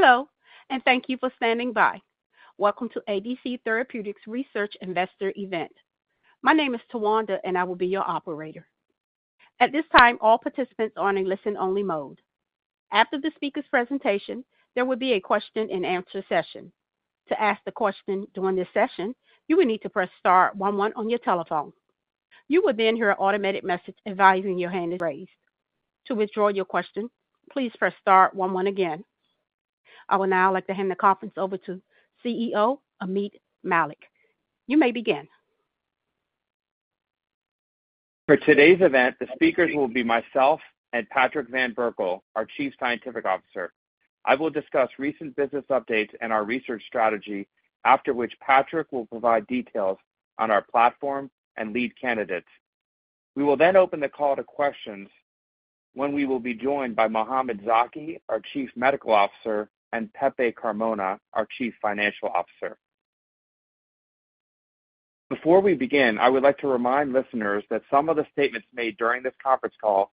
Hello, and thank you for standing by. Welcome to ADC Therapeutics' research investor event. My name is Tawanda, and I will be your operator. At this time, all participants are in listen-only mode. After the speaker's presentation, there will be a question-and-answer session. To ask the question during this session, you will need to press star 1 1 on your telephone. You will then hear an automated message indicating your hand is raised. To withdraw your question, please press star 1 1 again. I would now like to hand the conference over to CEO Ameet Mallik. You may begin. For today's event, the speakers will be myself and Patrick van Berkel, our Chief Scientific Officer. I will discuss recent business updates and our research strategy, after which Patrick will provide details on our platform and lead candidates. We will then open the call to questions when we will be joined by Mohamed Zaki, our Chief Medical Officer, and Pepe Carmona, our Chief Financial Officer. Before we begin, I would like to remind listeners that some of the statements made during this conference call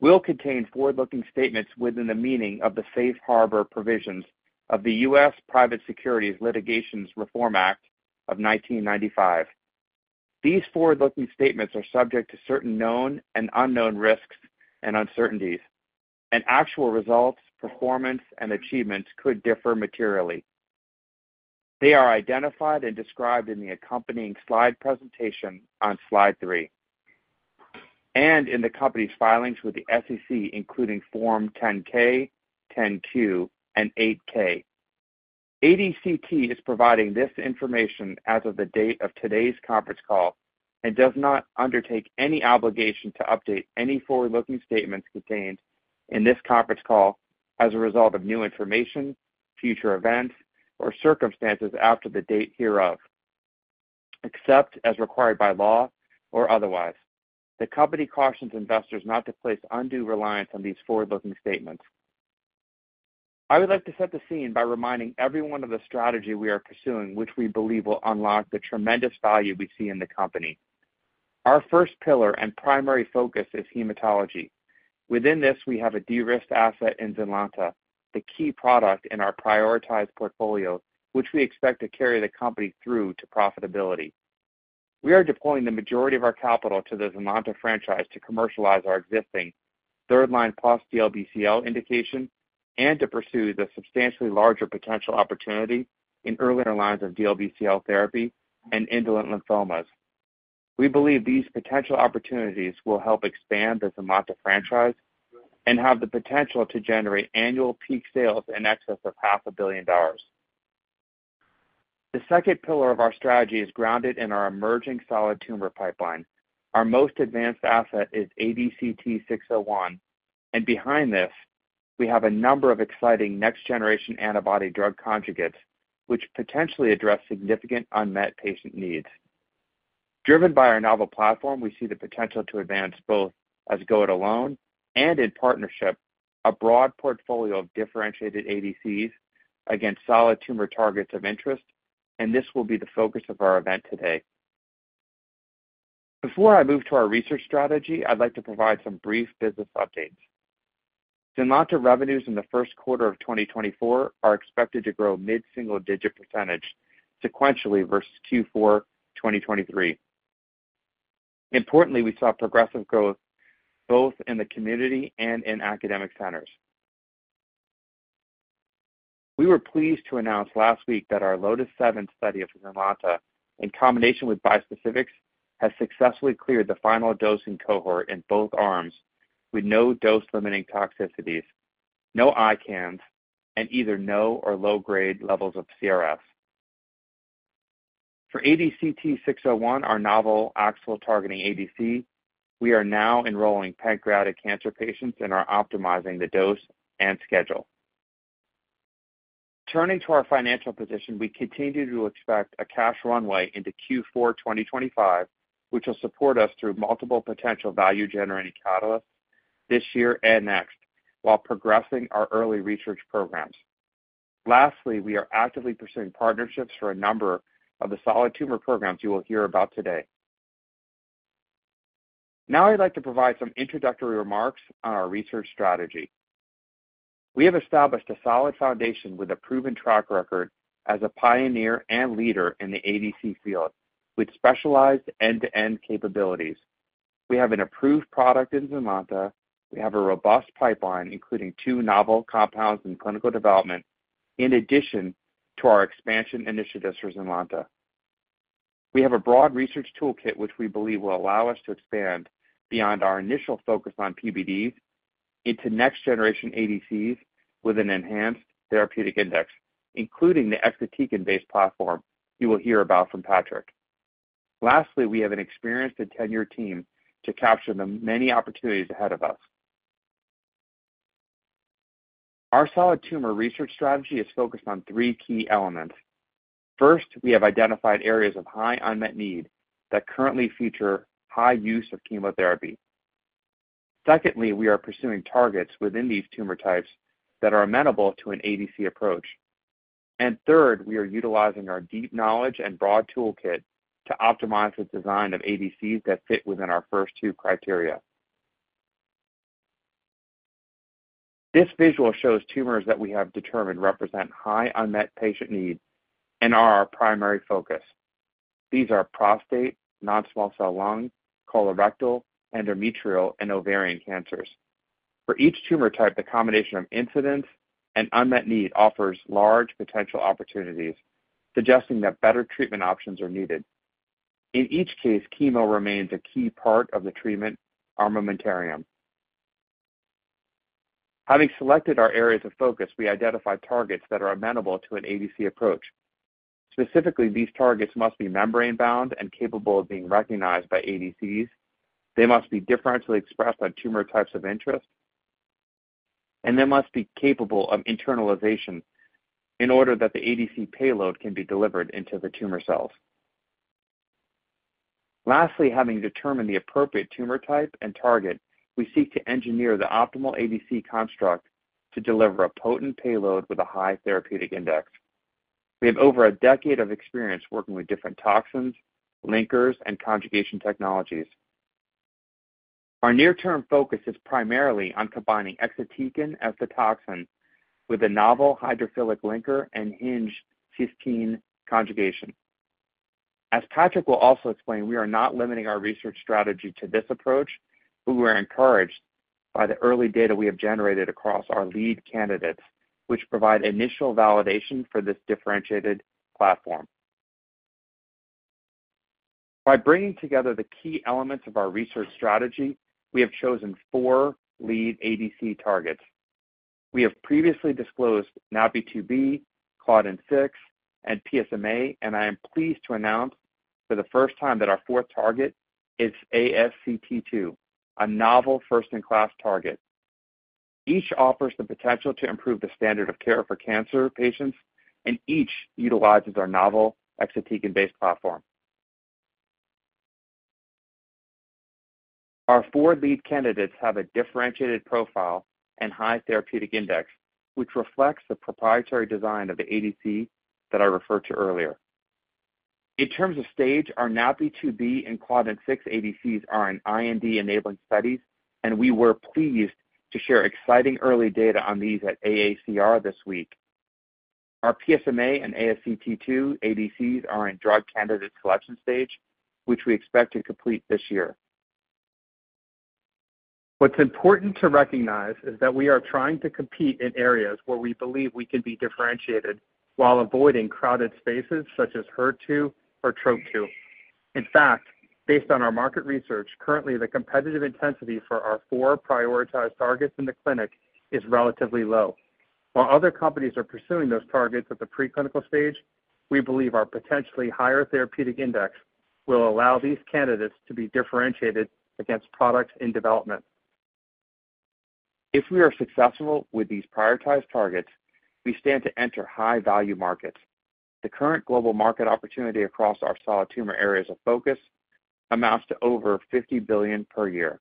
will contain forward-looking statements within the meaning of the Safe Harbor provisions of the U.S. Private Securities Litigation Reform Act of 1995. These forward-looking statements are subject to certain known and unknown risks and uncertainties, and actual results, performance, and achievements could differ materially. They are identified and described in the accompanying slide presentation on slide 3, and in the company's filings with the SEC, including Form 10-K, 10-Q, and 8-K. ADCT is providing this information as of the date of today's conference call and does not undertake any obligation to update any forward-looking statements contained in this conference call as a result of new information, future events, or circumstances after the date hereof, except as required by law or otherwise. The company cautions investors not to place undue reliance on these forward-looking statements. I would like to set the scene by reminding everyone of the strategy we are pursuing, which we believe will unlock the tremendous value we see in the company. Our first pillar and primary focus is hematology. Within this, we have a de-risk asset in ZYNLONTA, the key product in our prioritized portfolio, which we expect to carry the company through to profitability. We are deploying the majority of our capital to the ZYNLONTA franchise to commercialize our existing third-line plus DLBCL indication and to pursue the substantially larger potential opportunity in earlier lines of DLBCL therapy and indolent lymphomas. We believe these potential opportunities will help expand the ZYNLONTA franchise and have the potential to generate annual peak sales in excess of $500 million. The second pillar of our strategy is grounded in our emerging solid tumor pipeline. Our most advanced asset is ADCT-601, and behind this, we have a number of exciting next-generation antibody-drug conjugates, which potentially address significant unmet patient needs. Driven by our novel platform, we see the potential to advance it both alone and in partnership a broad portfolio of differentiated ADCs against solid tumor targets of interest, and this will be the focus of our event today. Before I move to our research strategy, I'd like to provide some brief business updates. ZYNLONTA revenues in the first quarter of 2024 are expected to grow mid-single-digit %, sequentially versus Q4 2023. Importantly, we saw progressive growth both in the community and in academic centers. We were pleased to announce last week that our LOTIS-7 study of ZYNLONTA, in combination with bispecifics, has successfully cleared the final dosing cohort in both arms with no dose-limiting toxicities, no ICANS, and either no or low-grade levels of CRS. For ADCT-601, our novel AXL-targeting ADC, we are now enrolling pancreatic cancer patients and are optimizing the dose and schedule. Turning to our financial position, we continue to expect a cash runway into Q4 2025, which will support us through multiple potential value-generating catalysts this year and next while progressing our early research programs. Lastly, we are actively pursuing partnerships for a number of the solid tumor programs you will hear about today. Now I'd like to provide some introductory remarks on our research strategy. We have established a solid foundation with a proven track record as a pioneer and leader in the ADC field with specialized end-to-end capabilities. We have an approved product in ZYNLONTA. We have a robust pipeline, including two novel compounds in clinical development, in addition to our expansion initiatives for ZYNLONTA. We have a broad research toolkit, which we believe will allow us to expand beyond our initial focus on PBDs into next-generation ADCs with an enhanced therapeutic index, including the exatecan-based platform you will hear about from Patrick. Lastly, we have an experienced and tenured team to capture the many opportunities ahead of us. Our solid tumor research strategy is focused on three key elements. First, we have identified areas of high unmet need that currently feature high use of chemotherapy. Secondly, we are pursuing targets within these tumor types that are amenable to an ADC approach. And third, we are utilizing our deep knowledge and broad toolkit to optimize the design of ADCs that fit within our first two criteria. This visual shows tumors that we have determined represent high unmet patient need and are our primary focus. These are prostate, non-small cell lung, colorectal, endometrial, and ovarian cancers. For each tumor type, the combination of incidence and unmet need offers large potential opportunities, suggesting that better treatment options are needed. In each case, chemo remains a key part of the treatment armamentarium. Having selected our areas of focus, we identified targets that are amenable to an ADC approach. Specifically, these targets must be membrane-bound and capable of being recognized by ADCs. They must be differentially expressed on tumor types of interest. They must be capable of internalization in order that the ADC payload can be delivered into the tumor cells. Lastly, having determined the appropriate tumor type and target, we seek to engineer the optimal ADC construct to deliver a potent payload with a high therapeutic index. We have over a decade of experience working with different toxins, linkers, and conjugation technologies. Our near-term focus is primarily on combining exatecan as the toxin with the novel hydrophilic linker and hinge cysteine conjugation. As Patrick will also explain, we are not limiting our research strategy to this approach, but we are encouraged by the early data we have generated across our lead candidates, which provide initial validation for this differentiated platform. By bringing together the key elements of our research strategy, we have chosen four lead ADC targets. We have previously disclosed NaPi2b, Claudin-6, and PSMA, and I am pleased to announce for the first time that our fourth target is ASCT2, a novel first-in-class target. Each offers the potential to improve the standard of care for cancer patients, and each utilizes our novel exatecan-based platform. Our four lead candidates have a differentiated profile and high therapeutic index, which reflects the proprietary design of the ADC that I referred to earlier. In terms of stage, our NaPi2b and Claudin-6 ADCs are in IND-enabling studies, and we were pleased to share exciting early data on these at AACR this week. Our PSMA and ASCT2 ADCs are in drug candidate selection stage, which we expect to complete this year. What's important to recognize is that we are trying to compete in areas where we believe we can be differentiated while avoiding crowded spaces such as HER2 or TROP2. In fact, based on our market research, currently the competitive intensity for our four prioritized targets in the clinic is relatively low. While other companies are pursuing those targets at the preclinical stage, we believe our potentially higher therapeutic index will allow these candidates to be differentiated against products in development. If we are successful with these prioritized targets, we stand to enter high-value markets. The current global market opportunity across our solid tumor areas of focus amounts to over $50 billion per year.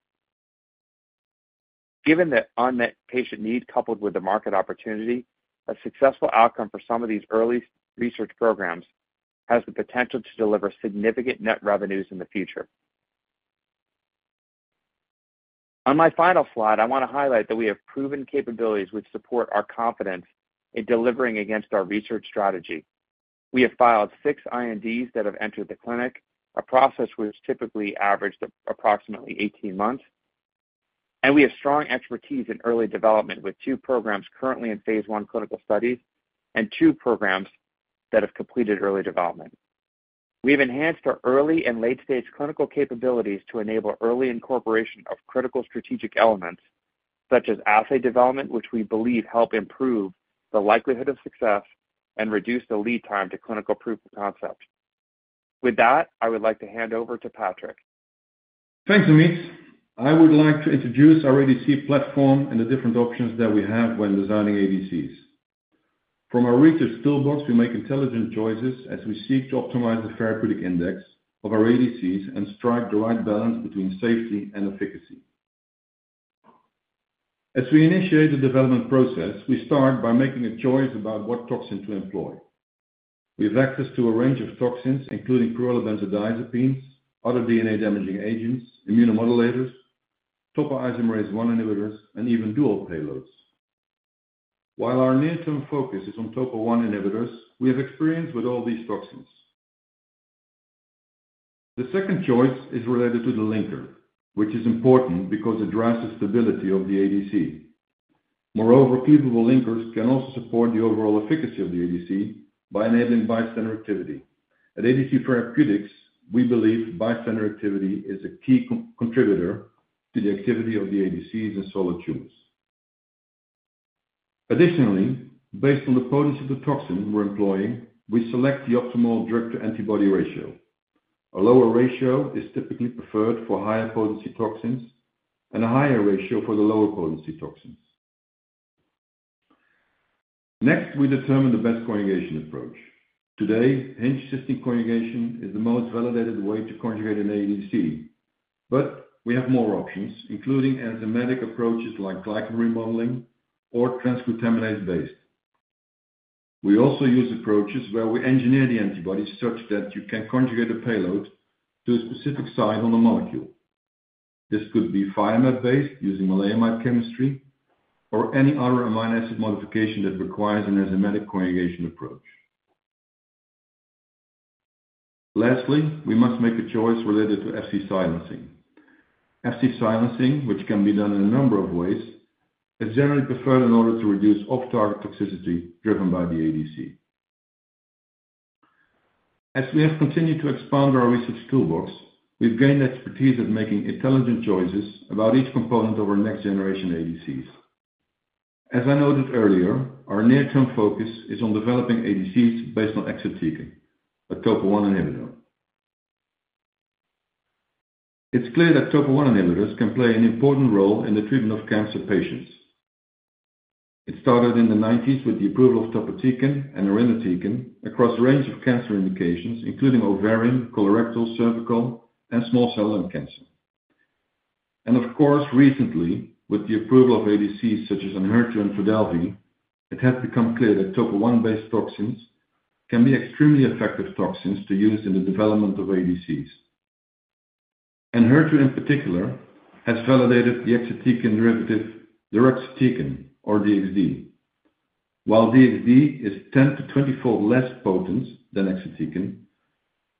Given the unmet patient need coupled with the market opportunity, a successful outcome for some of these early research programs has the potential to deliver significant net revenues in the future. On my final slide, I want to highlight that we have proven capabilities which support our confidence in delivering against our research strategy. We have filed six INDs that have entered the clinic, a process which typically averaged approximately 18 months. We have strong expertise in early development with two programs currently in phase 1 clinical studies and two programs that have completed early development. We have enhanced our early and late-stage clinical capabilities to enable early incorporation of critical strategic elements such as assay development, which we believe help improve the likelihood of success and reduce the lead time to clinical proof of concept. With that, I would like to hand over to Patrick. Thanks, Ameet. I would like to introduce our ADC platform and the different options that we have when designing ADCs. From our research toolbox, we make intelligent choices as we seek to optimize the therapeutic index of our ADCs and strike the right balance between safety and efficacy. As we initiate the development process, we start by making a choice about what toxin to employ. We have access to a range of toxins, including pyrrolobenzodiazepines, other DNA-damaging agents, immunomodulators, topoisomerase 1 inhibitors, and even dual payloads. While our near-term focus is on topoisomerase 1 inhibitors, we have experience with all these toxins. The second choice is related to the linker, which is important because it drives the stability of the ADC. Moreover, cleavable linkers can also support the overall efficacy of the ADC by enabling bystander activity. At ADC Therapeutics, we believe bystander activity is a key contributor to the activity of the ADCs in solid tumors. Additionally, based on the potency of the toxin we're employing, we select the optimal drug-to-antibody ratio. A lower ratio is typically preferred for higher potency toxins and a higher ratio for the lower potency toxins. Next, we determine the best conjugation approach. Today, hinge cysteine conjugation is the most validated way to conjugate an ADC, but we have more options, including enzymatic approaches like glycan remodeling or transglutaminase-based. We also use approaches where we engineer the antibodies such that you can conjugate the payload to a specific site on the molecule. This could be Thiomab-based using maleimide chemistry or any other amino acid modification that requires an enzymatic conjugation approach. Lastly, we must make a choice related to Fc silencing. Fc silencing, which can be done in a number of ways, is generally preferred in order to reduce off-target toxicity driven by the ADC. As we have continued to expand our research toolbox, we've gained expertise at making intelligent choices about each component of our next-generation ADCs. As I noted earlier, our near-term focus is on developing ADCs based on exatecan, a TOPO1 inhibitor. It's clear that TOPO1 inhibitors can play an important role in the treatment of cancer patients. It started in the 1990s with the approval of topotecan and irinotecan across a range of cancer indications, including ovarian, colorectal, cervical, and small cell lung cancer. And of course, recently, with the approval of ADCs such as Enhertu and Trodelvy, it has become clear that TOPO1-based toxins can be extremely effective toxins to use in the development of ADCs. ENHERTU, in particular, has validated the exatecan derivative deruxtecan or DXd. While DXd is 10- to 20-fold less potent than exatecan,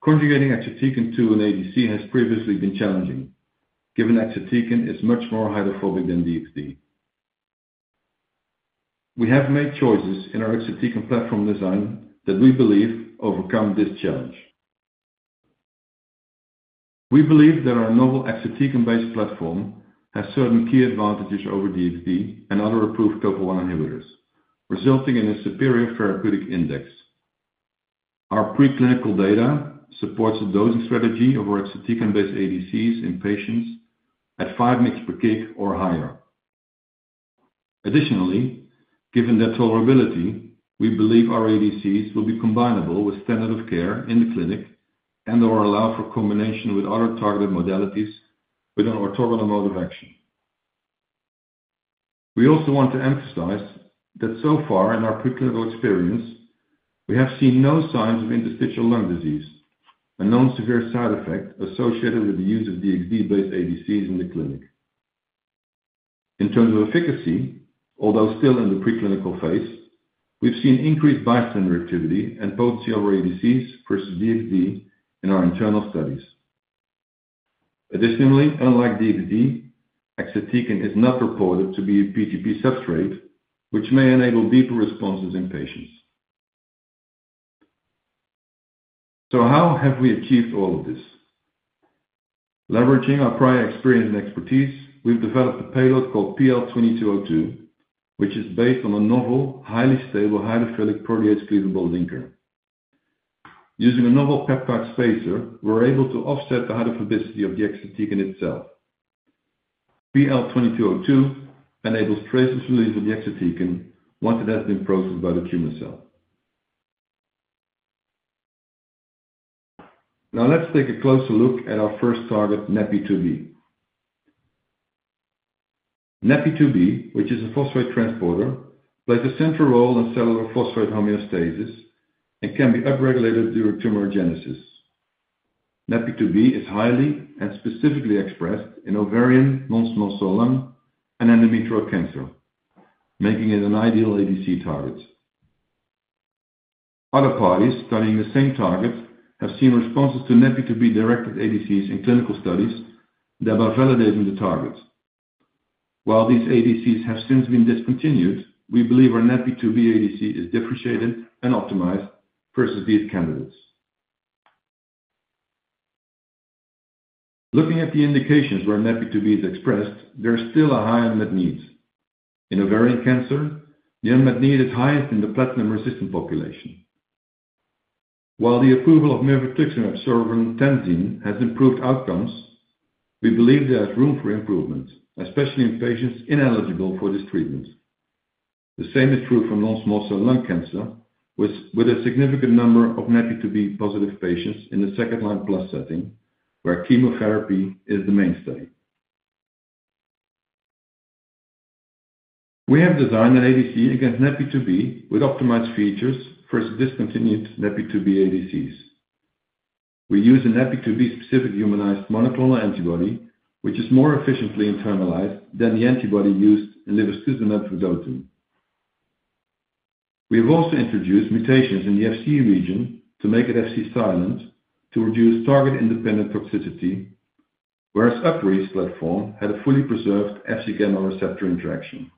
conjugating exatecan to an ADC has previously been challenging, given exatecan is much more hydrophobic than DXd. We have made choices in our exatecan platform design that we believe overcome this challenge. We believe that our novel exatecan-based platform has certain key advantages over DXd and other approved TOPO1 inhibitors, resulting in a superior therapeutic index. Our preclinical data supports the dosing strategy of our exatecan-based ADCs in patients at 5 mg/kg or higher. Additionally, given their tolerability, we believe our ADCs will be combinable with standard of care in the clinic and/or allow for combination with other targeted modalities with an orthogonal mode of action. We also want to emphasize that so far in our preclinical experience, we have seen no signs of interstitial lung disease, a known severe side effect associated with the use of DXd-based ADCs in the clinic. In terms of efficacy, although still in the preclinical phase, we've seen increased bystander activity and potency of our ADCs versus DXd in our internal studies. Additionally, unlike DXd, exatecan is not reported to be a P-gp substrate, which may enable deeper responses in patients. So how have we achieved all of this? Leveraging our prior experience and expertise, we've developed a payload called PL2202, which is based on a novel, highly stable hydrophilic protease cleavable linker. Using a novel peptide spacer, we're able to offset the hydrophobicity of the exatecan itself. PL2202 enables trace release of the exatecan once it has been processed by the tumor cell. Now let's take a closer look at our first target, NaPi2b. NaPi2b, which is a phosphate transporter, plays a central role in cellular phosphate homeostasis and can be upregulated during tumorigenesis. NaPi2b is highly and specifically expressed in ovarian, non-small cell lung cancer, and endometrial cancer, making it an ideal ADC target. Other parties studying the same targets have seen responses to NaPi2b-directed ADCs in clinical studies that are validating the targets. While these ADCs have since been discontinued, we believe our NaPi2b ADC is differentiated and optimized versus these candidates. Looking at the indications where NaPi2b is expressed, there's still a high unmet need. In ovarian cancer, the unmet need is highest in the platinum resistant population. While the approval of mirvetuximab soravtansine has improved outcomes, we believe there's room for improvement, especially in patients ineligible for this treatment. The same is true for non-small cell lung cancer, with a significant number of NaPi2b positive patients in the second-line plus setting, where chemotherapy is the main study. We have designed an ADC against NaPi2b with optimized features for discontinued NaPi2b ADCs. We use a NaPi2b-specific humanized monoclonal antibody, which is more efficiently internalized than the antibody used in lifastuzumab vedotin. We have also introduced mutations in the Fc region to make it Fc silent to reduce target-independent toxicity, whereas upifitamab platform had a fully preserved Fc gamma receptor interaction.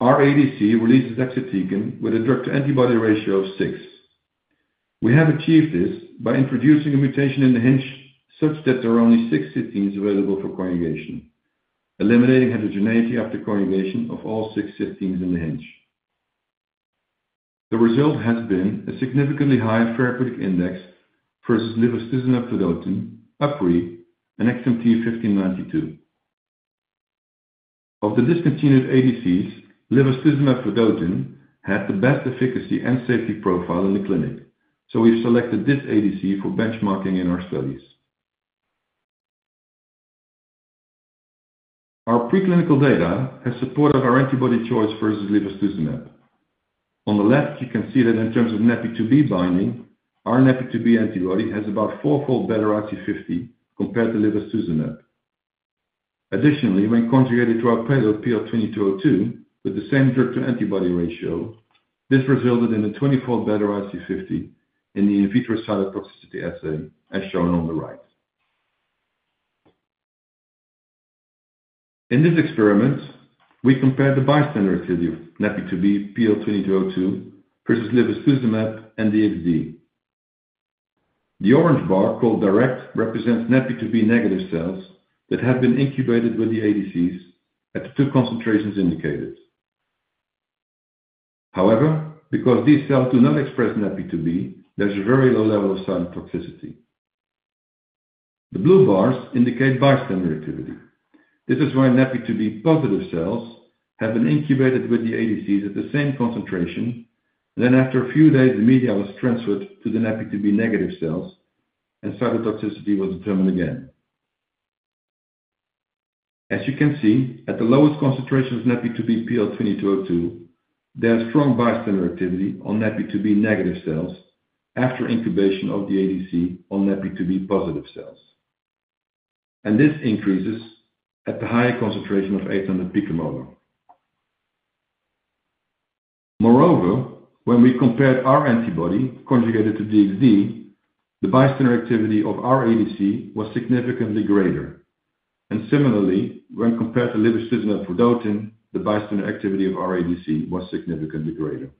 Our ADC releases exatecan with a drug-to-antibody ratio of 6. We have achieved this by introducing a mutation in the hinge such that there are only 6 cysteines available for conjugation, eliminating heterogeneity after conjugation of all 6 cysteines in the hinge. The result has been a significantly higher therapeutic index versus lifastuzumab vedotin, upifitamab, and XMT-1592. Of the discontinued ADCs, lifastuzumab vedotin had the best efficacy and safety profile in the clinic, so we've selected this ADC for benchmarking in our studies. Our preclinical data has supported our antibody choice versus lifastuzumab vedotin. On the left, you can see that in terms of NaPi2b binding, our NaPi2b antibody has about four-fold better IC50 compared to lifastuzumab vedotin. Additionally, when conjugated to our payload PL2202 with the same drug-to-antibody ratio, this resulted in a 20-fold better IC50 in the in vitro cytotoxicity assay, as shown on the right. In this experiment, we compared the bystander activity of NaPi2b PL2202 versus lifastuzumab vedotin and DXd. The orange bar called DIRECT represents NaPi2b-negative cells that have been incubated with the ADCs at the two concentrations indicated. However, because these cells do not express NaPi2b, there's a very low level of cytotoxicity. The blue bars indicate bystander activity. This is why NaPi2b-positive cells have been incubated with the ADCs at the same concentration, and then after a few days, the media was transferred to the NaPi2b-negative cells, and cytotoxicity was determined again. As you can see, at the lowest concentration of NaPi2b PL2202, there's strong bystander activity on NaPi2b-negative cells after incubation of the ADC on NaPi2b-positive cells. This increases at the higher concentration of 800 picomolar. Moreover, when we compared our antibody conjugated to DXd, the bystander activity of our ADC was significantly greater. Similarly, when compared to lifastuzumab vedotin, the bystander activity of our ADC was significantly greater.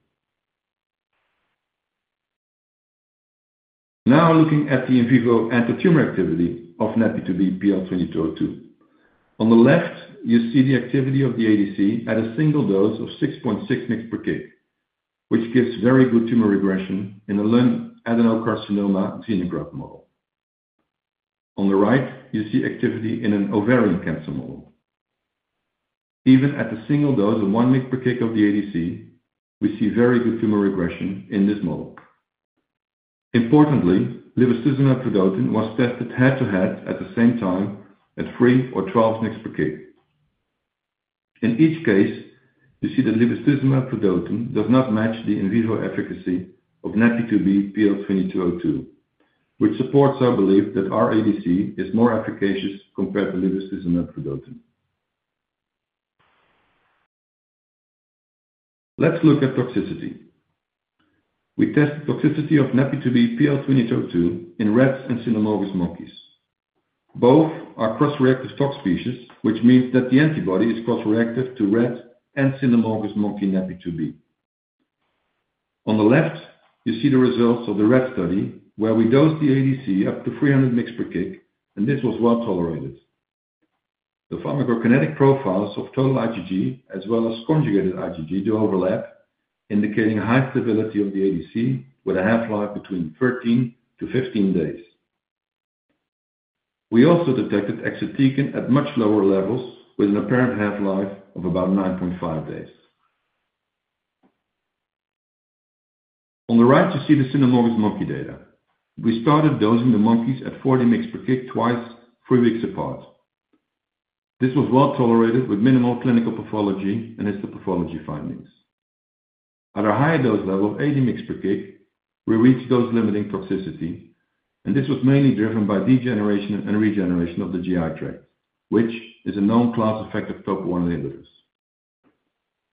Now looking at the in vivo anti-tumor activity of NaPi2b PL2202. On the left, you see the activity of the ADC at a single dose of 6.6 mg/kg, which gives very good tumor regression in a lung adenocarcinoma xenograft model. On the right, you see activity in an ovarian cancer model. Even at the single dose of 1 mg/kg of the ADC, we see very good tumor regression in this model. Importantly, lifastuzumab vedotin were tested head-to-head at the same time at 3 or 12 mg/kg. In each case, you see that lifastuzumab vedotin do not match the in vivo efficacy of NaPi2b PL2202, which supports our belief that our ADC is more efficacious compared to lifastuzumab vedotin. Let's look at toxicity. We tested toxicity of NaPi2b PL2202 in rats and cynomolgus monkeys. Both are cross-reactive tox species, which means that the antibody is cross-reactive to rat and cynomolgus monkey NaPi2b. On the left, you see the results of the rat study, where we dosed the ADC up to 300 mg/kg, and this was well tolerated. The pharmacokinetic profiles of total IgG as well as conjugated IgG do overlap, indicating high stability of the ADC with a half-life between 13-15 days. We also detected exatecan at much lower levels with an apparent half-life of about 9.5 days. On the right, you see the cynomolgus monkey data. We started dosing the monkeys at 40 mg/kg twice, three weeks apart. This was well tolerated with minimal clinical pathology and histopathology findings. At a higher dose level of 80 mg/kg, we reached dose-limiting toxicity, and this was mainly driven by degeneration and regeneration of the GI tract, which is a known class effect of TOPO1 inhibitors.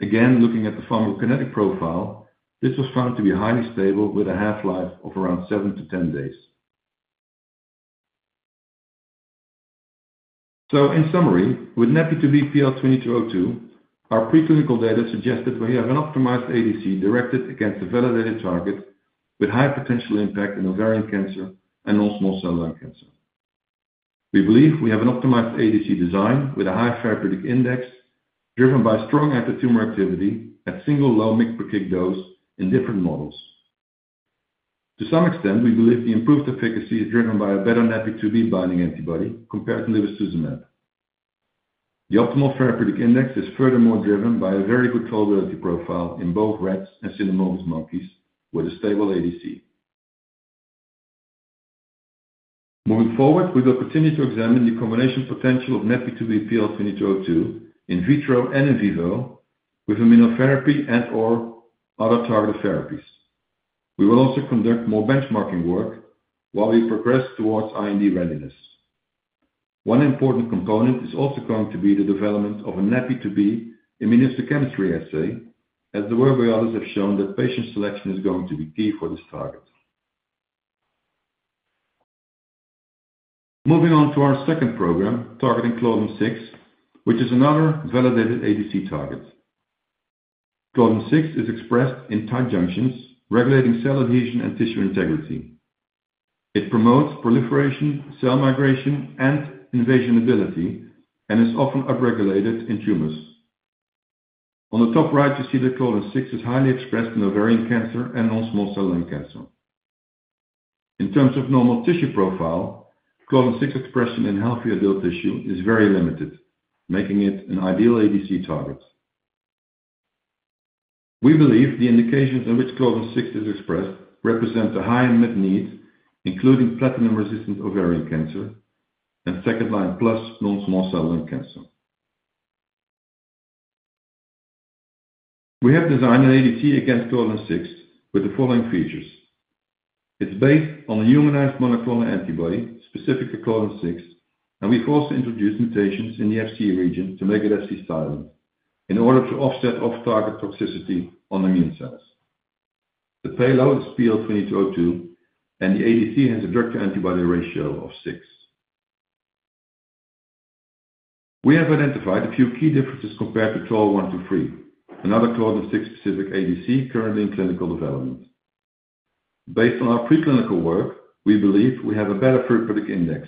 Again, looking at the pharmacokinetic profile, this was found to be highly stable with a half-life of around 7-10 days. So in summary, with NaPi2b PL2202, our preclinical data suggested that we have an optimized ADC directed against a validated target with high potential impact in ovarian cancer and non-small cell lung cancer. We believe we have an optimized ADC design with a high therapeutic index driven by strong anti-tumor activity at single low mg/kg dose in different models. To some extent, we believe the improved efficacy is driven by a better NaPi2b binding antibody compared to lifastuzumab vedotin. The optimal therapeutic index is furthermore driven by a very good tolerability profile in both rats and cynomolgus monkeys with a stable ADC. Moving forward, we will continue to examine the combination potential of NaPi2b PL2202 in vitro and in vivo with immunotherapy and/or other targeted therapies. We will also conduct more benchmarking work while we progress towards IND readiness. One important component is also going to be the development of a NaPi2b immunohistochemistry assay, as the work of the others have shown that patient selection is going to be key for this target. Moving on to our second program targeting Claudin-6, which is another validated ADC target. Claudin-6 is expressed in tight junctions, regulating cell adhesion and tissue integrity. It promotes proliferation, cell migration, and invasion ability, and is often upregulated in tumors. On the top right, you see that Claudin-6 is highly expressed in ovarian cancer and non-small cell lung cancer. In terms of normal tissue profile, Claudin-6 expression in healthy adult tissue is very limited, making it an ideal ADC target. We believe the indications in which Claudin-6 is expressed represent a high unmet need, including platinum resistant ovarian cancer and second-line plus non-small cell lung cancer. We have designed an ADC against Claudin-6 with the following features. It's based on a humanized monoclonal antibody, specific to Claudin-6, and we've also introduced mutations in the Fc region to make it Fc silent in order to offset off-target toxicity on immune cells. The payload is PL2202, and the ADC has a drug-to-antibody ratio of 6. We have identified a few key differences compared to TORL-1-23, another Claudin-6-specific ADC currently in clinical development. Based on our preclinical work, we believe we have a better therapeutic index.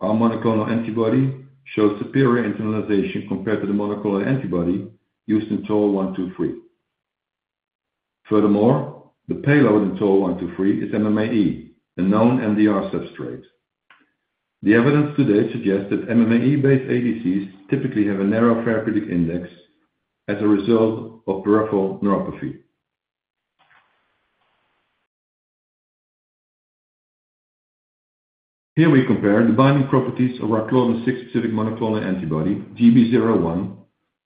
Our monoclonal antibody shows superior internalization compared to the monoclonal antibody used in TORL-1-23. Furthermore, the payload in TORL-1-23 is MMAE, a known MDR substrate. The evidence today suggests that MMAE-based ADCs typically have a narrow therapeutic index as a result of peripheral neuropathy. Here we compare the binding properties of our Claudin-6-specific monoclonal antibody, GB01,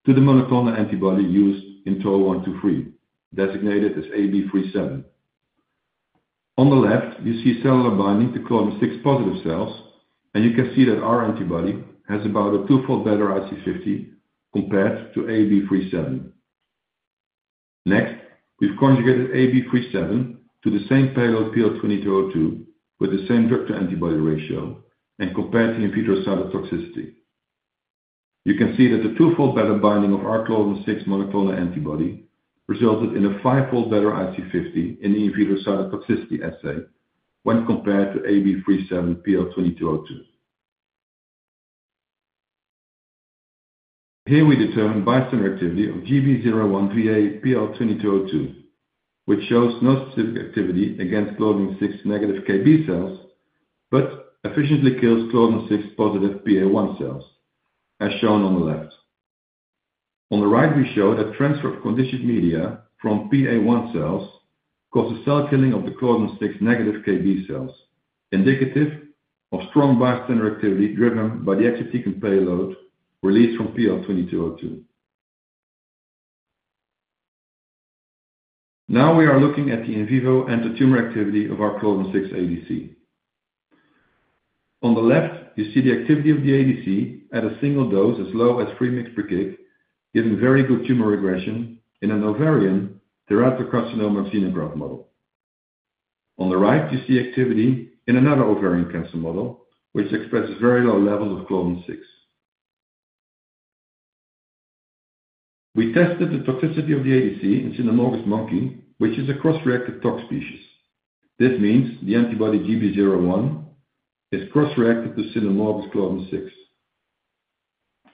to the monoclonal antibody used in TORL-1-23, designated as AB37. On the left, you see cellular binding to Claudin-6-positive cells, and you can see that our antibody has about a two-fold better IC50 compared to AB37. Next, we've conjugated AB37 to the same payload PL2202 with the same drug-to-antibody ratio and compared the in vitro cytotoxicity. You can see that the two-fold better binding of our Claudin-6 monoclonal antibody resulted in a five-fold better IC50 in the in vitro cytotoxicity assay when compared to AB37 PL2202. Here we determine bystander activity of GB01 VA PL2202, which shows no specific activity against Claudin-6-negative KB cells, but efficiently kills Claudin-6-positive PA1 cells, as shown on the left. On the right, we show that transfer of conditioned media from PA1 cells causes cell killing of the Claudin-6-negative KB cells, indicative of strong bystander activity driven by the exatecan payload released from PL2202. Now we are looking at the in vivo anti-tumor activity of our Claudin-6 ADC. On the left, you see the activity of the ADC at a single dose as low as 3 mg/kg, giving very good tumor regression in an ovarian teratocarcinoma xenograft model. On the right, you see activity in another ovarian cancer model, which expresses very low levels of Claudin-6. We tested the toxicity of the ADC in cynomolgus monkey, which is a cross-reactive tox species. This means the antibody GB01 is cross-reactive to cynomolgus Claudin-6.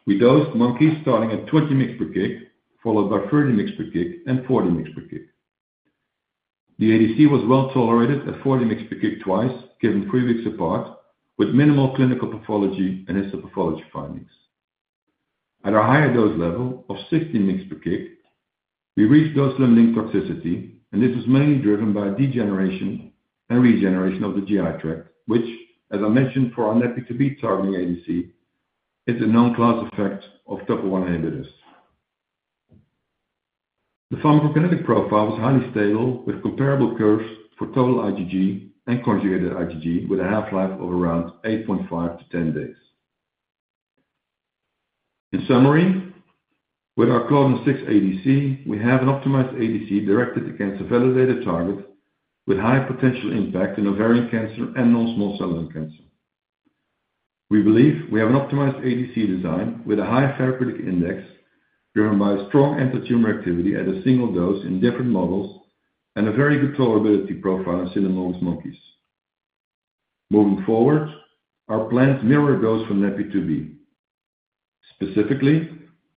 We dosed monkeys starting at 20 mg/kg, followed by 30 mg/kg, and 40 mg/kg. The ADC was well tolerated at 40 mg/kg twice, given three weeks apart, with minimal clinical pathology and histopathology findings. At a higher dose level of 60 mg/kg, we reached dose-limiting toxicity, and this was mainly driven by degeneration and regeneration of the GI tract, which, as I mentioned for our NaPi2b targeting ADC, is a known class effect of TOPO1 inhibitors. The pharmacokinetic profile was highly stable with comparable curves for total IgG and conjugated IgG, with a half-life of around 8.5-10 days. In summary, with our Claudin-6 ADC, we have an optimized ADC directed against a validated target with high potential impact in ovarian cancer and non-small cell lung cancer. We believe we have an optimized ADC design with a high therapeutic index driven by strong anti-tumor activity at a single dose in different models and a very good tolerability profile in cynomolgus monkeys. Moving forward, our plans mirror those for NaPi2b. Specifically,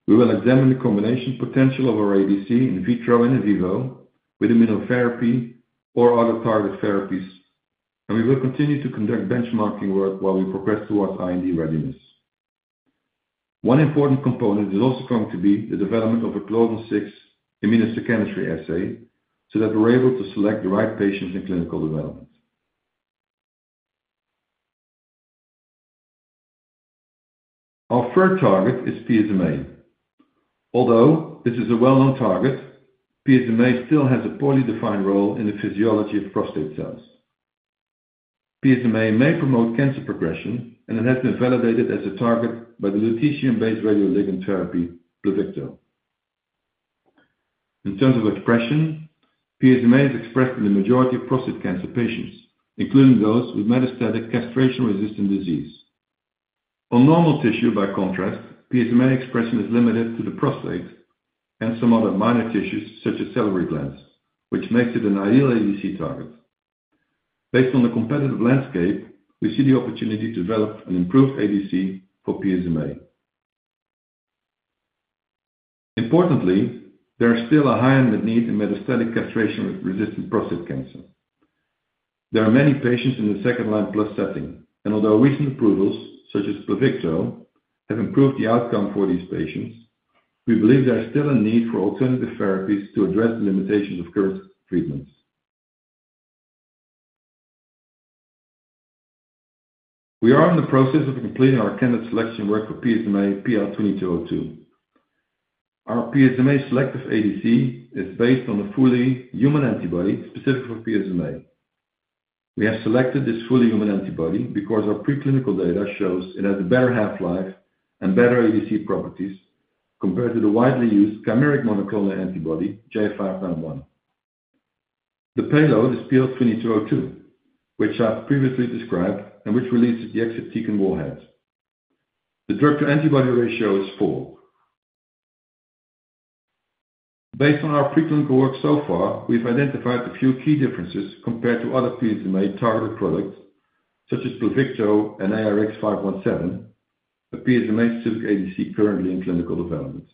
we will examine the combination potential of our ADC in vitro and in vivo with immunotherapy or other targeted therapies, and we will continue to conduct benchmarking work while we progress towards IND readiness. One important component is also going to be the development of a claudin-6 immunohistochemistry assay so that we're able to select the right patients in clinical development. Our third target is PSMA. Although this is a well-known target, PSMA still has a poorly defined role in the physiology of prostate cells. PSMA may promote cancer progression, and it has been validated as a target by the lutetium-based radioligand therapy, Pluvicto. In terms of expression, PSMA is expressed in the majority of prostate cancer patients, including those with metastatic castration-resistant disease. On normal tissue by contrast, PSMA expression is limited to the prostate and some other minor tissues such as salivary glands, which makes it an ideal ADC target. Based on the competitive landscape, we see the opportunity to develop an improved ADC for PSMA. Importantly, there is still a high unmet need in metastatic castration-resistant prostate cancer. There are many patients in the second-line plus setting, and although recent approvals such as Pluvicto have improved the outcome for these patients, we believe there is still a need for alternative therapies to address the limitations of current treatments. We are in the process of completing our candidate selection work for PSMA PL2202. Our PSMA selective ADC is based on a fully human antibody specific for PSMA. We have selected this fully human antibody because our preclinical data shows it has a better half-life and better ADC properties compared to the widely used chimeric monoclonal antibody, J591. The payload is PL2202, which I've previously described and which releases the exatecan warheads. The drug-to-antibody ratio is 4. Based on our preclinical work so far, we've identified a few key differences compared to other PSMA targeted products such as Pluvicto and ARX517, a PSMA-specific ADC currently in clinical development.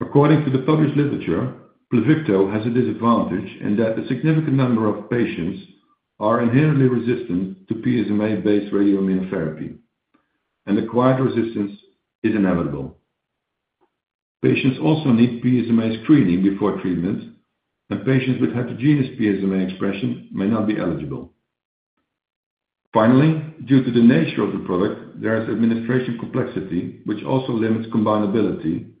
According to the published literature, Pluvicto has a disadvantage in that a significant number of patients are inherently resistant to PSMA-based radioimmunotherapy, and acquired resistance is inevitable. Patients also need PSMA screening before treatment, and patients with heterogeneous PSMA expression may not be eligible. Finally, due to the nature of the product, there is administration complexity, which also limits combinability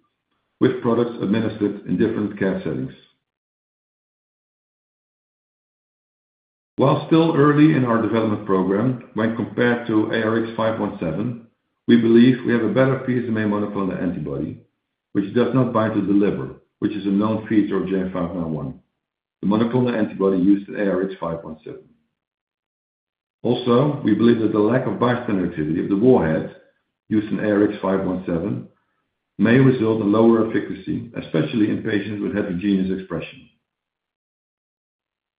with products administered in different care settings. While still early in our development program when compared to ARX517, we believe we have a better PSMA monoclonal antibody which does not bind to the liver, which is a known feature of J591, the monoclonal antibody used in ARX517. Also, we believe that the lack of bystander activity of the warhead used in ARX517 may result in lower efficacy, especially in patients with heterogeneous expression.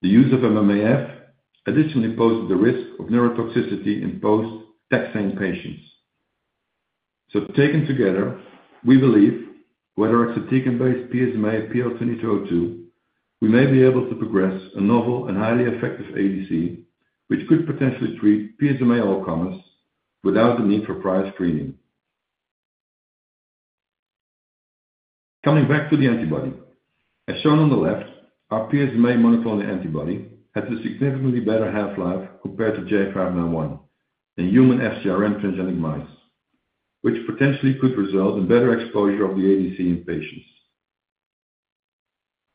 The use of MMAF additionally poses the risk of neurotoxicity in post-taxane patients. So taken together, we believe with our exatecan-based PSMA PL2202, we may be able to progress a novel and highly effective ADC which could potentially treat PSMA all-comers without the need for prior screening. Coming back to the antibody, as shown on the left, our PSMA monoclonal antibody has a significantly better half-life compared to J591 in human FcRn transgenic mice, which potentially could result in better exposure of the ADC in patients.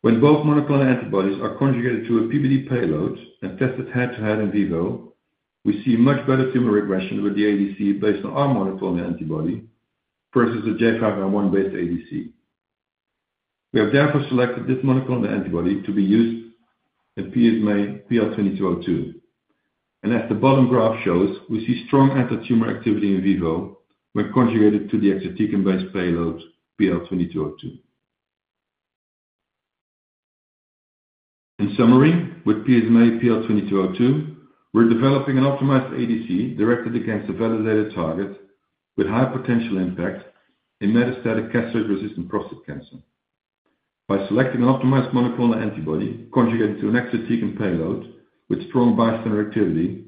When both monoclonal antibodies are conjugated to a PBD payload and tested head-to-head in vivo, we see much better tumor regression with the ADC based on our monoclonal antibody versus the J591-based ADC. We have therefore selected this monoclonal antibody to be used in PSMA PL2202, and as the bottom graph shows, we see strong anti-tumor activity in vivo when conjugated to the exatecan-based payload PL2202. In summary, with PSMA PL2202, we're developing an optimized ADC directed against a validated target with high potential impact in metastatic castration-resistant prostate cancer. By selecting an optimized monoclonal antibody conjugated to an exatecan payload with strong bystander activity,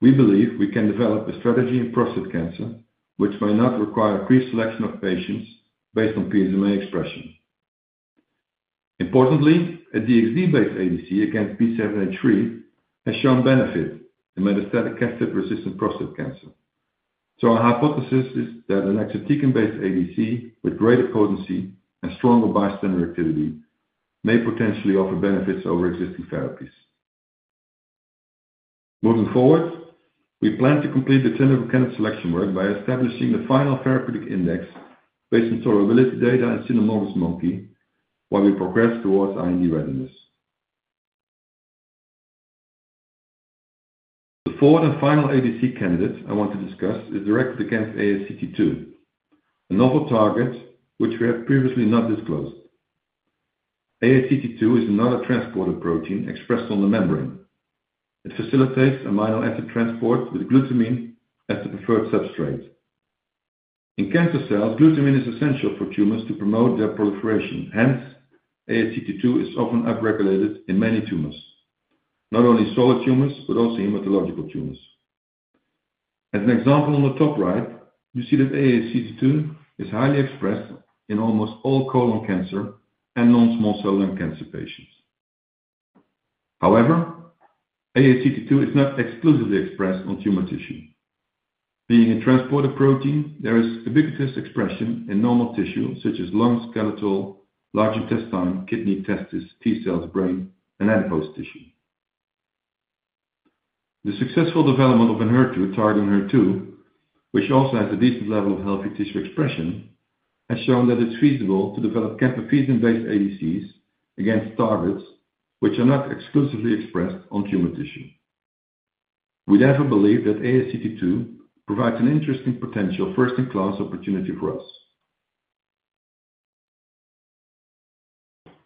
we believe we can develop a strategy in prostate cancer which may not require preselection of patients based on PSMA expression. Importantly, a DXd-based ADC against B7-H3 has shown benefit in metastatic castration-resistant prostate cancer. So our hypothesis is that an exatecan-based ADC with greater potency and stronger bystander activity may potentially offer benefits over existing therapies. Moving forward, we plan to complete the clinical candidate selection work by establishing the final therapeutic index based on tolerability data in cynomolgus monkey while we progress towards IND readiness. The fourth and final ADC candidate I want to discuss is directed against ASCT2, a novel target which we have previously not disclosed. ASCT2 is another transporter protein expressed on the membrane. It facilitates amino acid transport with glutamine as the preferred substrate. In cancer cells, glutamine is essential for tumors to promote their proliferation. Hence, ASCT2 is often upregulated in many tumors, not only solid tumors but also hematological tumors. As an example, on the top right, you see that ASCT2 is highly expressed in almost all colon cancer and non-small cell lung cancer patients. However, ASCT2 is not exclusively expressed on tumor tissue. Being a transporter protein, there is ubiquitous expression in normal tissue such as lungs, skeletal, large intestine, kidney, testis, T cells, brain, and adipose tissue. The successful development of an HER2 target in HER2, which also has a decent level of healthy tissue expression, has shown that it's feasible to develop camptothecin-based ADCs against targets which are not exclusively expressed on tumor tissue. We therefore believe that ASCT2 provides an interesting potential first-in-class opportunity for us.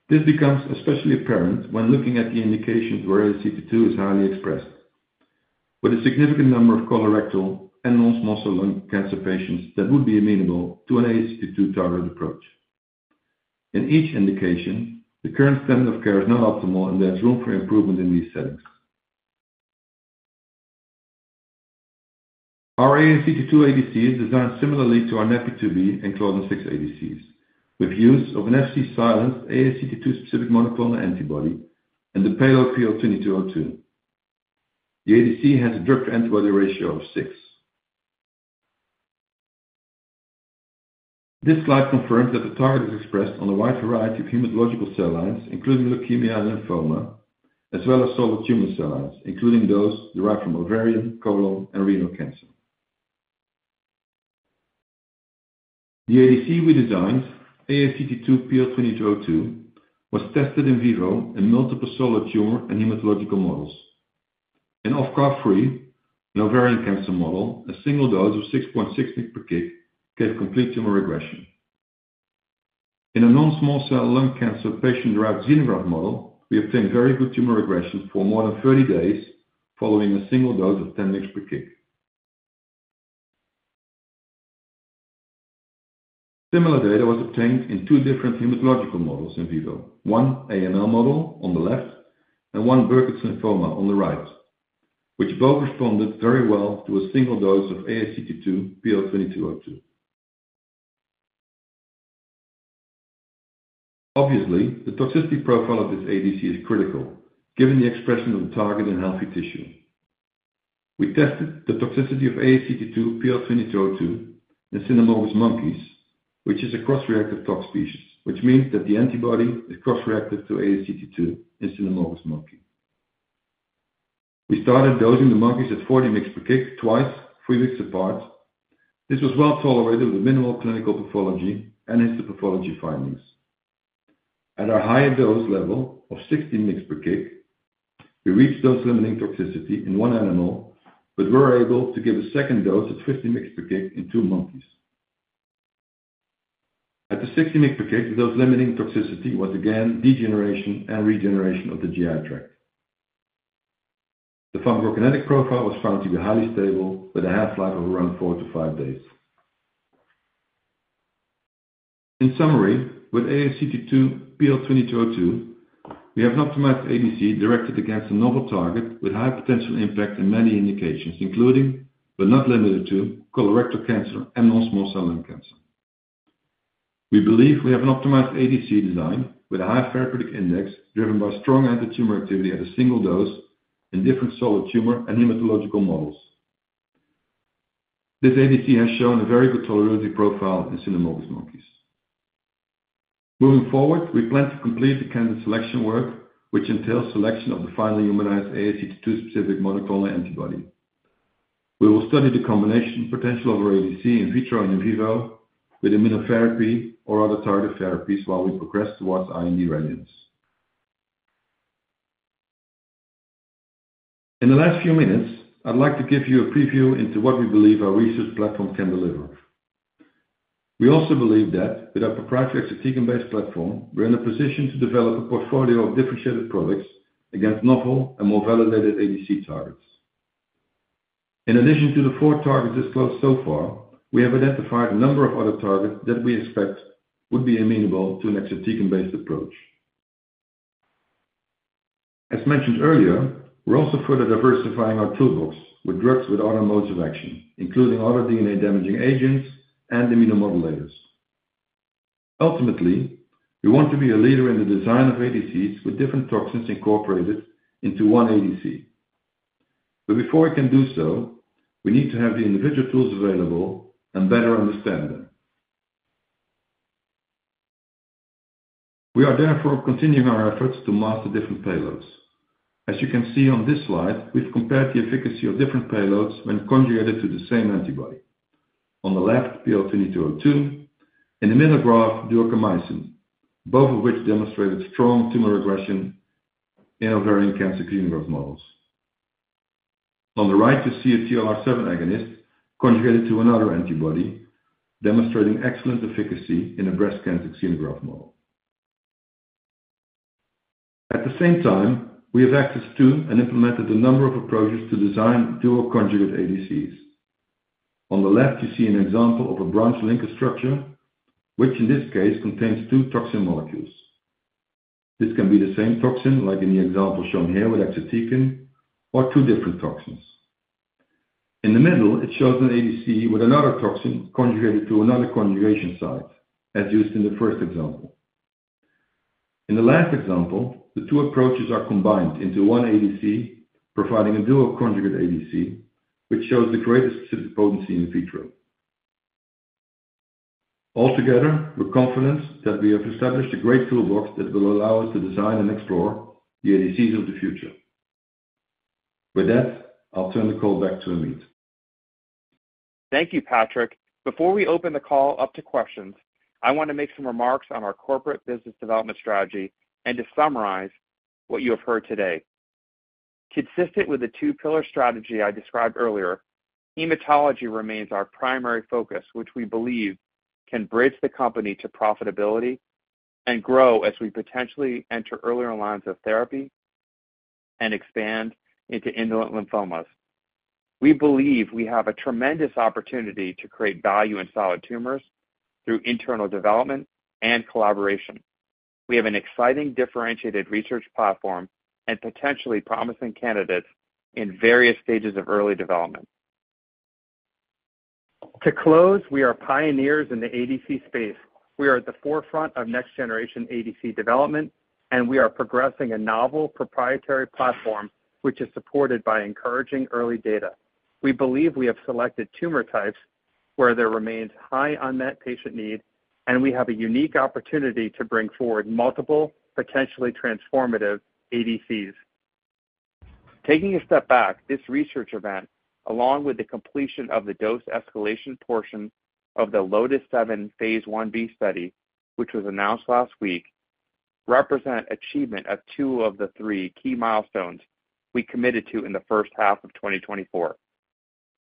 This becomes especially apparent when looking at the indications where ASCT2 is highly expressed, with a significant number of colorectal and non-small cell lung cancer patients that would be amenable to an ASCT2 targeted approach. In each indication, the current standard of care is not optimal, and there is room for improvement in these settings. Our ASCT2 ADC is designed similarly to our NaPi2b and Claudin-6 ADCs, with use of an Fc silenced ASCT2-specific monoclonal antibody and the payload PL2202. The ADC has a drug-to-antibody ratio of 6. This slide confirms that the target is expressed on a wide variety of hematological cell lines, including leukemia and lymphoma, as well as solid tumor cell lines, including those derived from ovarian, colon, and renal cancer. The ADC we designed, ASCT2 PL2202, was tested in vivo in multiple solid tumor and hematological models. In ASCT2 3+ ovarian cancer model, a single dose of 6.6 mg/kg gave complete tumor regression. In a non-small cell lung cancer patient-derived xenograft model, we obtained very good tumor regression for more than 30 days following a single dose of 10 mg/kg. Similar data was obtained in two different hematological models in vivo, one AML model on the left and one Burkitt's lymphoma on the right, which both responded very well to a single dose of ASCT2 PL2202. Obviously, the toxicity profile of this ADC is critical given the expression of the target in healthy tissue. We tested the toxicity of ASCT2 PL2202 in Cynomolgus monkeys, which is a cross-reactive tox species, which means that the antibody is cross-reactive to ASCT2 in Cynomolgus monkey. We started dosing the monkeys at 40 mg/kg twice, three weeks apart. This was well tolerated with minimal clinical pathology and histopathology findings. At our higher dose level of 60 mg/kg, we reached dose-limiting toxicity in one animal, but were able to give a second dose at 50 mg/kg in two monkeys. At the 60 mg/kg, the dose-limiting toxicity was again degeneration and regeneration of the GI tract. The PK profile was found to be highly stable, with a half-life of around four to five days. In summary, with ASCT2 PL2202, we have an optimized ADC directed against a novel target with high potential impact in many indications, including, but not limited to, colorectal cancer and non-small cell lung cancer. We believe we have an optimized ADC design with a high therapeutic index driven by strong anti-tumor activity at a single dose in different solid tumor and hematological models. This ADC has shown a very good tolerability profile in cynomolgus monkeys. Moving forward, we plan to complete the candidate selection work, which entails selection of the final humanized ASCT2-specific monoclonal antibody. We will study the combination potential of our ADC in vitro and in vivo with immunotherapy or other targeted therapies while we progress towards IND readiness. In the last few minutes, I'd like to give you a preview into what we believe our research platform can deliver. We also believe that, with our proprietary exatecan-based platform, we're in a position to develop a portfolio of differentiated products against novel and more validated ADC targets. In addition to the four targets disclosed so far, we have identified a number of other targets that we expect would be amenable to an exatecan-based approach. As mentioned earlier, we're also further diversifying our toolbox with drugs with other modes of action, including other DNA-damaging agents and immunomodulators. Ultimately, we want to be a leader in the design of ADCs with different toxins incorporated into one ADC. But before we can do so, we need to have the individual tools available and better understand them. We are therefore continuing our efforts to master different payloads. As you can see on this slide, we've compared the efficacy of different payloads when conjugated to the same antibody. On the left, PL2202, in the middle graph, duocarmycin, both of which demonstrated strong tumor regression in ovarian cancer xenograft models. On the right, you see a TLR7 agonist conjugated to another antibody, demonstrating excellent efficacy in a breast cancer xenograft model. At the same time, we have access to and implemented a number of approaches to design dual-conjugate ADCs. On the left, you see an example of a branch linker structure, which in this case contains two toxin molecules. This can be the same toxin like in the example shown here with exatecan, or two different toxins. In the middle, it shows an ADC with another toxin conjugated to another conjugation site, as used in the first example. In the last example, the two approaches are combined into one ADC, providing a dual-conjugate ADC, which shows the greatest potency in vitro. Altogether, we're confident that we have established a great toolbox that will allow us to design and explore the ADCs of the future. With that, I'll turn the call back to Ameet. Thank you, Patrick. Before we open the call up to questions, I want to make some remarks on our corporate business development strategy and to summarize what you have heard today. Consistent with the two-pillar strategy I described earlier, hematology remains our primary focus, which we believe can bridge the company to profitability and grow as we potentially enter earlier lines of therapy and expand into indolent lymphomas. We believe we have a tremendous opportunity to create value in solid tumors through internal development and collaboration. We have an exciting differentiated research platform and potentially promising candidates in various stages of early development. To close, we are pioneers in the ADC space. We are at the forefront of next-generation ADC development, and we are progressing a novel proprietary platform which is supported by encouraging early data. We believe we have selected tumor types where there remains high unmet patient need, and we have a unique opportunity to bring forward multiple potentially transformative ADCs. Taking a step back, this research event, along with the completion of the dose escalation portion of the LOTIS-7 phase 1b study, which was announced last week, represents achievement of two of the three key milestones we committed to in the first half of 2024.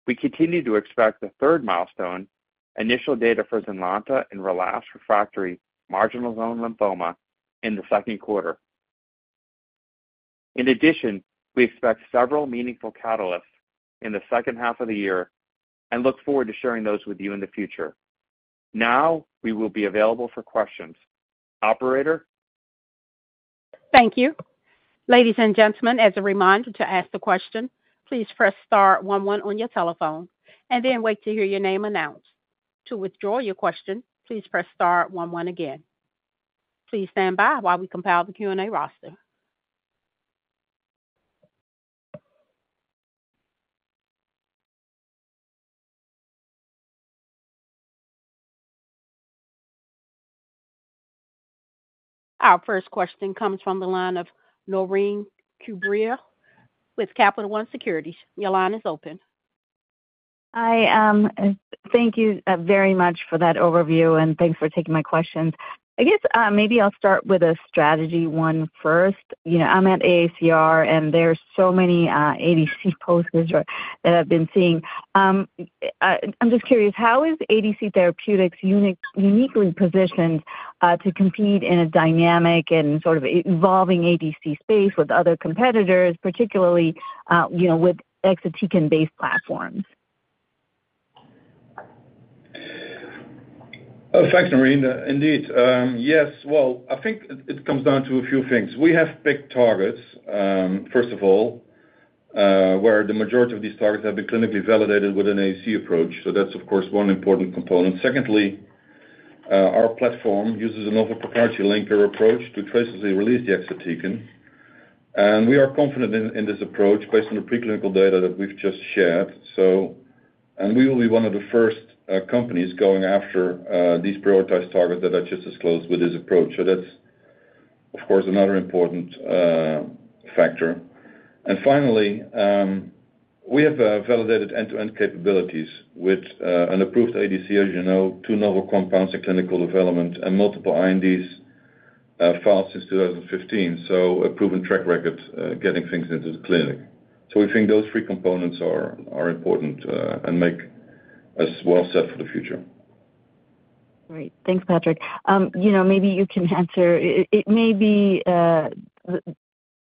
We continue to expect the third milestone, initial data for ZYNLONTA in relapsed refractory marginal zone lymphoma, in the second quarter. In addition, we expect several meaningful catalysts in the second half of the year and look forward to sharing those with you in the future. Now, we will be available for questions. Operator? Thank you. Ladies and gentlemen, as a reminder to ask the question, please press star 11 on your telephone and then wait to hear your name announced. To withdraw your question, please press star 11 again. Please stand by while we compile the Q&A roster. Our first question comes from the line of Naureen Quibria with Capital One Securities. Your line is open. Hi. Thank you very much for that overview, and thanks for taking my questions. I guess maybe I'll start with a strategy one first. I'm at AACR, and there are so many ADC posters that I've been seeing. I'm just curious, how is ADC Therapeutics uniquely positioned to compete in a dynamic and sort of evolving ADC space with other competitors, particularly with exatecan-based platforms? Thanks, Naureen. Indeed. Yes. Well, I think it comes down to a few things. We have big targets, first of all, where the majority of these targets have been clinically validated with an ADC approach. So that's, of course, one important component. Secondly, our platform uses a novel proprietary linker approach that releases the exatecan. And we are confident in this approach based on the preclinical data that we've just shared, and we will be one of the first companies going after these prioritized targets that I just disclosed with this approach. So that's, of course, another important factor. And finally, we have validated end-to-end capabilities with an approved ADC, as you know, two novel compounds in clinical development and multiple INDs filed since 2015, so a proven track record getting things into the clinic. We think those three components are important and make us well set for the future. Great. Thanks, Patrick. Maybe you can answer it.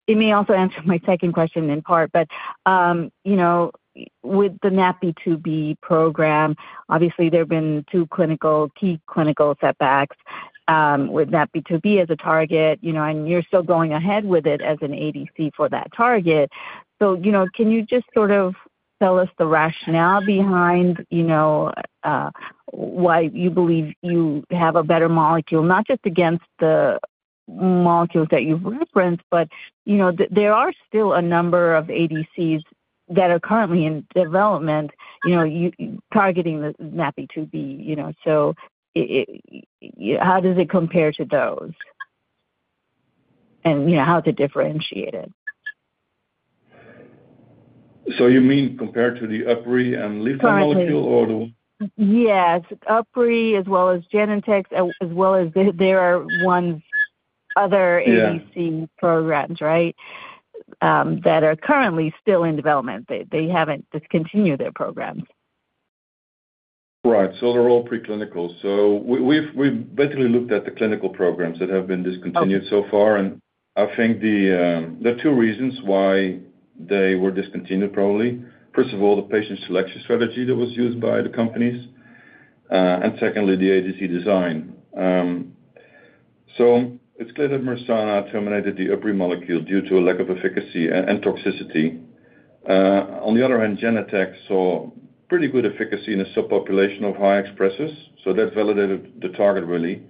It may also answer my second question in part, but with the NaPi2b program, obviously, there have been two key clinical setbacks with NaPi2b as a target, and you're still going ahead with it as an ADC for that target. So can you just sort of tell us the rationale behind why you believe you have a better molecule, not just against the molecules that you've referenced, but there are still a number of ADCs that are currently in development targeting the NaPi2b. So how does it compare to those, and how is it differentiated? You mean compared to the UpRi and LIFA molecule, or the one? Yes. UpRi as well as Genentech, as well as there are other other ADC programs, right, that are currently still in development. They haven't discontinued their programs. Right. So they're all preclinical. So we've briefly looked at the clinical programs that have been discontinued so far, and I think there are two reasons why they were discontinued, probably. First of all, the patient selection strategy that was used by the companies, and secondly, the ADC design. So it's clear that Mersana terminated the UpRi molecule due to a lack of efficacy and toxicity. On the other hand, Genentech saw pretty good efficacy in a subpopulation of high expressors, so that validated the target, really,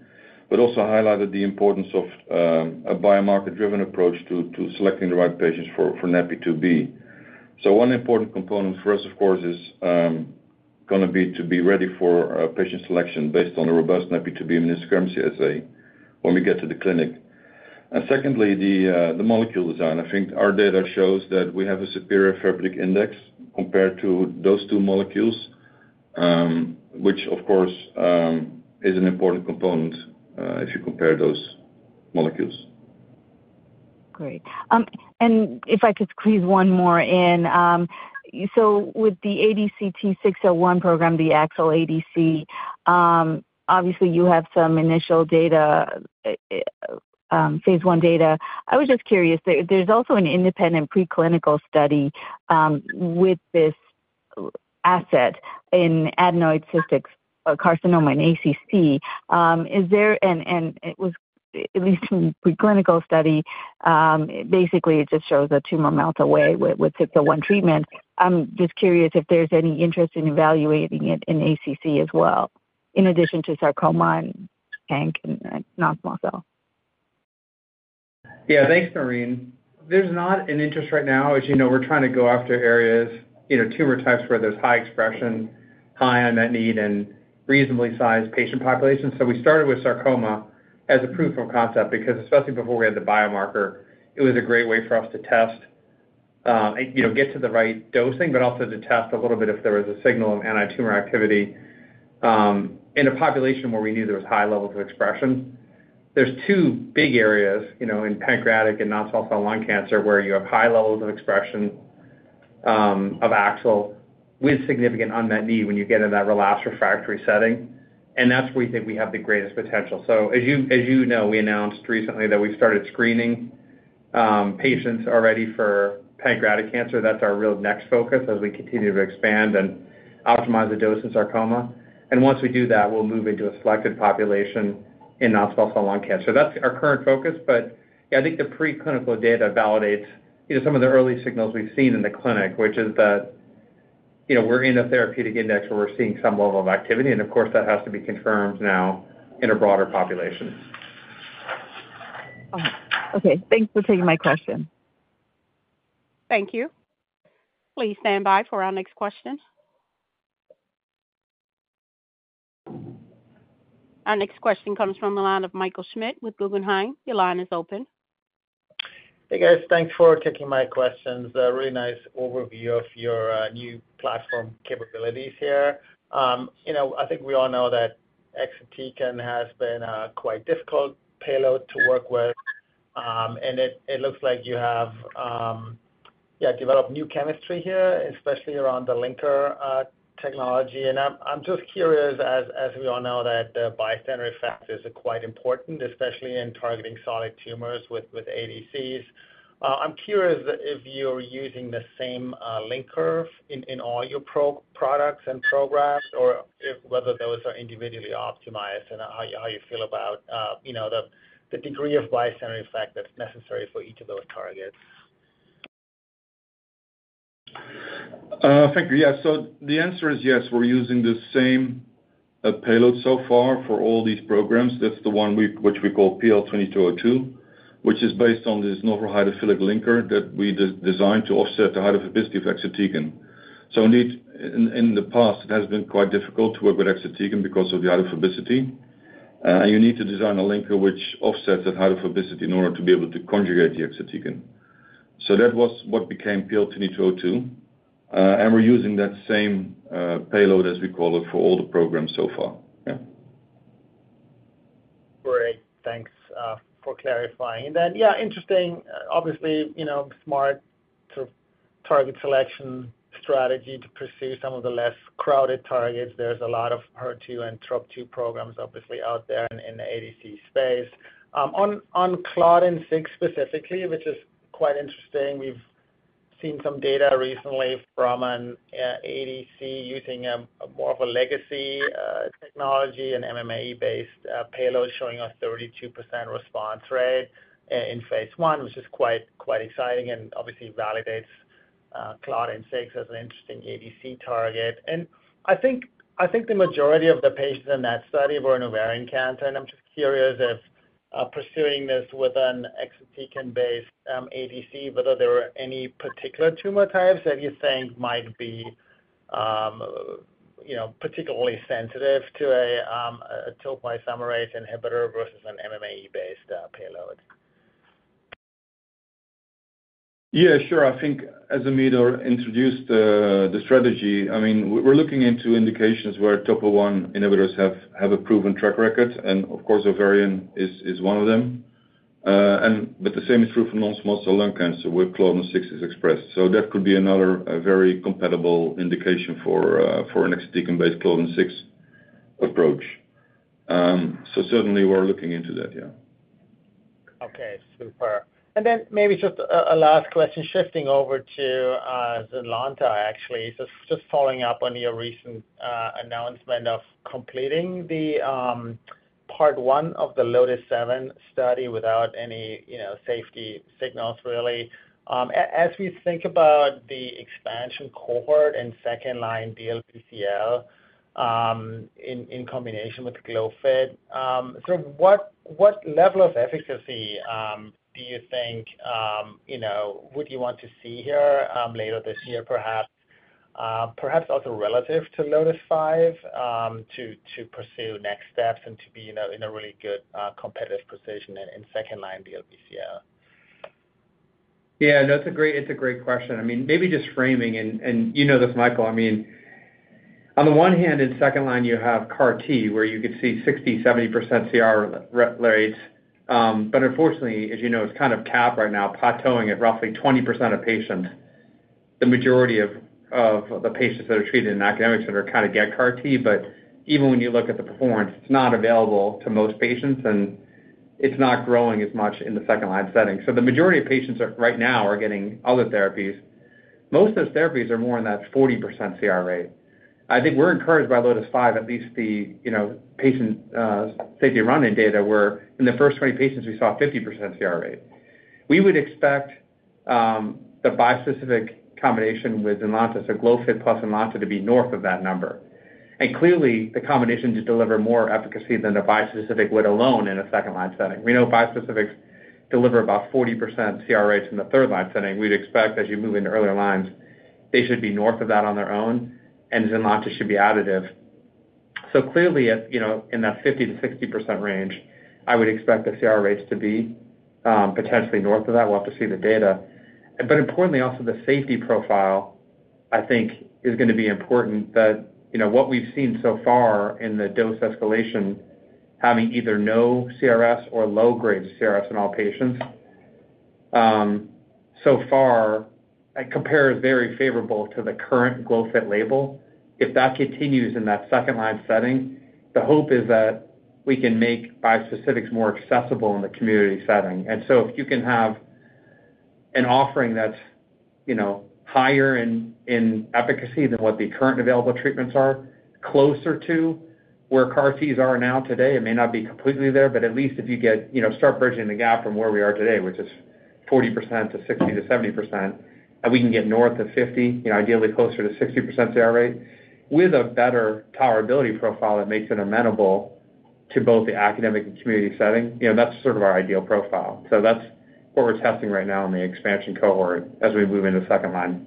but also highlighted the importance of a biomarker-driven approach to selecting the right patients for NaPi2b. So one important component for us, of course, is going to be to be ready for patient selection based on the robust NaPi2b immunohistochemistry assay when we get to the clinic. And secondly, the molecule design. I think our data shows that we have a superior therapeutic index compared to those two molecules, which, of course, is an important component if you compare those molecules. Great. If I could squeeze one more in. So with the ADCT-601 program, the AXL ADC, obviously, you have some initial data, phase I data. I was just curious, there's also an independent preclinical study with this asset in adenoid cystic carcinoma, ACC. Is there, and it was at least a preclinical study. Basically, it just shows that tumor melts away with 601 treatment. I'm just curious if there's any interest in evaluating it in ACC as well, in addition to sarcoma and Panc and non-small cell. Yeah. Thanks, Naureen. There's not an interest right now. As you know, we're trying to go after areas, tumor types where there's high expression, high unmet need, and reasonably sized patient populations. So we started with sarcoma as a proof of concept because, especially before we had the biomarker, it was a great way for us to test, get to the right dosing, but also to test a little bit if there was a signal of anti-tumor activity in a population where we knew there was high levels of expression. There's two big areas in pancreatic and non-small cell lung cancer where you have high levels of expression of AXL with significant unmet need when you get in that relapsed refractory setting, and that's where we think we have the greatest potential. So as you know, we announced recently that we've started screening patients already for pancreatic cancer. That's our real next focus as we continue to expand and optimize the dose in sarcoma. Once we do that, we'll move into a selected population in non-small cell lung cancer. That's our current focus. But yeah, I think the preclinical data validates some of the early signals we've seen in the clinic, which is that we're in a therapeutic index where we're seeing some level of activity. And of course, that has to be confirmed now in a broader population. Okay. Thanks for taking my question. Thank you. Please stand by for our next question. Our next question comes from the line of Michael Schmidt with Guggenheim. Your line is open. Hey, guys. Thanks for taking my questions. Really nice overview of your new platform capabilities here. I think we all know that exatecan has been a quite difficult payload to work with, and it looks like you have, yeah, developed new chemistry here, especially around the linker technology. And I'm just curious, as we all know, that the bystander effect is quite important, especially in targeting solid tumors with ADCs. I'm curious if you're using the same linker in all your products and programs, or whether those are individually optimized and how you feel about the degree of bystander effect that's necessary for each of those targets. Thank you. Yeah. So the answer is yes. We're using the same payload so far for all these programs. That's the one which we call PL2202, which is based on this novel hydrophilic linker that we designed to offset the hydrophobicity of exatecan. So indeed, in the past, it has been quite difficult to work with exatecan because of the hydrophobicity, and you need to design a linker which offsets that hydrophobicity in order to be able to conjugate the exatecan. So that was what became PL2202, and we're using that same payload, as we call it, for all the programs so far. Yeah. Great. Thanks for clarifying. And then, yeah, interesting. Obviously, smart sort of target selection strategy to pursue some of the less crowded targets. There's a lot of HER2 and TROP2 programs, obviously, out there in the ADC space. On Claudin-6 specifically, which is quite interesting, we've seen some data recently from an ADC using more of a legacy technology and MMAE-based payload showing a 32% response rate in phase I, which is quite exciting and obviously validates Claudin-6 as an interesting ADC target. And I think the majority of the patients in that study were in ovarian cancer. And I'm just curious if pursuing this with an exatecan-based ADC, whether there are any particular tumor types that you think might be particularly sensitive to a TOPO1 inhibitor versus an MMAE-based payload. Yeah. Sure. I think as Ameet introduced the strategy, I mean, we're looking into indications where TOPO1 inhibitors have a proven track record, and of course, ovarian is one of them. But the same is true for non-small cell lung cancer where Claudin-6 is expressed. So that could be another very compatible indication for an exatecan-based Claudin-6 approach. So certainly, we're looking into that. Yeah. Okay. Super. And then maybe just a last question, shifting over to ZYNLONTA, actually, just following up on your recent announcement of completing the Part I of the LOTIS-7 study without any safety signals, really. As we think about the expansion cohort and second-line DLBCL in combination with glofitamab, sort of what level of efficacy do you think would you want to see here later this year, perhaps also relative to LOTIS-5 to pursue next steps and to be in a really good competitive position in second-line DLBCL? Yeah. No, it's a great question. I mean, maybe just framing and you know this, Michael. I mean, on the one hand, in second-line, you have CAR-T where you could see 60%-70% CR rates. But unfortunately, as you know, it's kind of capped right now, plateauing at roughly 20% of patients. The majority of the patients that are treated in academic centers kind of get CAR-T, but even when you look at the performance, it's not available to most patients, and it's not growing as much in the second-line setting. So the majority of patients right now are getting other therapies. Most of those therapies are more in that 40% CR rate. I think we're encouraged by LOTIS-5, at least the patient safety running data, where in the first 20 patients, we saw a 50% CR rate. We would expect the bispecific combination with ZYNLONTA, so glofitamab plus ZYNLONTA, to be north of that number. And clearly, the combination did deliver more efficacy than the bispecific would alone in a second-line setting. We know bispecifics deliver about 40% CR rates in the third-line setting. We'd expect, as you move into earlier lines, they should be north of that on their own, and ZYNLONTA should be additive. So clearly, in that 50%-60% range, I would expect the CR rates to be potentially north of that. We'll have to see the data. But importantly, also, the safety profile, I think, is going to be important. What we've seen so far in the dose escalation, having either no CRS or low-grade CRS in all patients so far compares very favorably to the current glofitamab label. If that continues in that second-line setting, the hope is that we can make bispecifics more accessible in the community setting. And so if you can have an offering that's higher in efficacy than what the current available treatments are, closer to where CAR-Ts are now today, it may not be completely there, but at least if you start bridging the gap from where we are today, which is 40% to 60 to 70%, and we can get north of 50, ideally closer to 60% CR rate, with a better tolerability profile that makes it amenable to both the academic and community setting, that's sort of our ideal profile. So that's what we're testing right now in the expansion cohort as we move into second-line.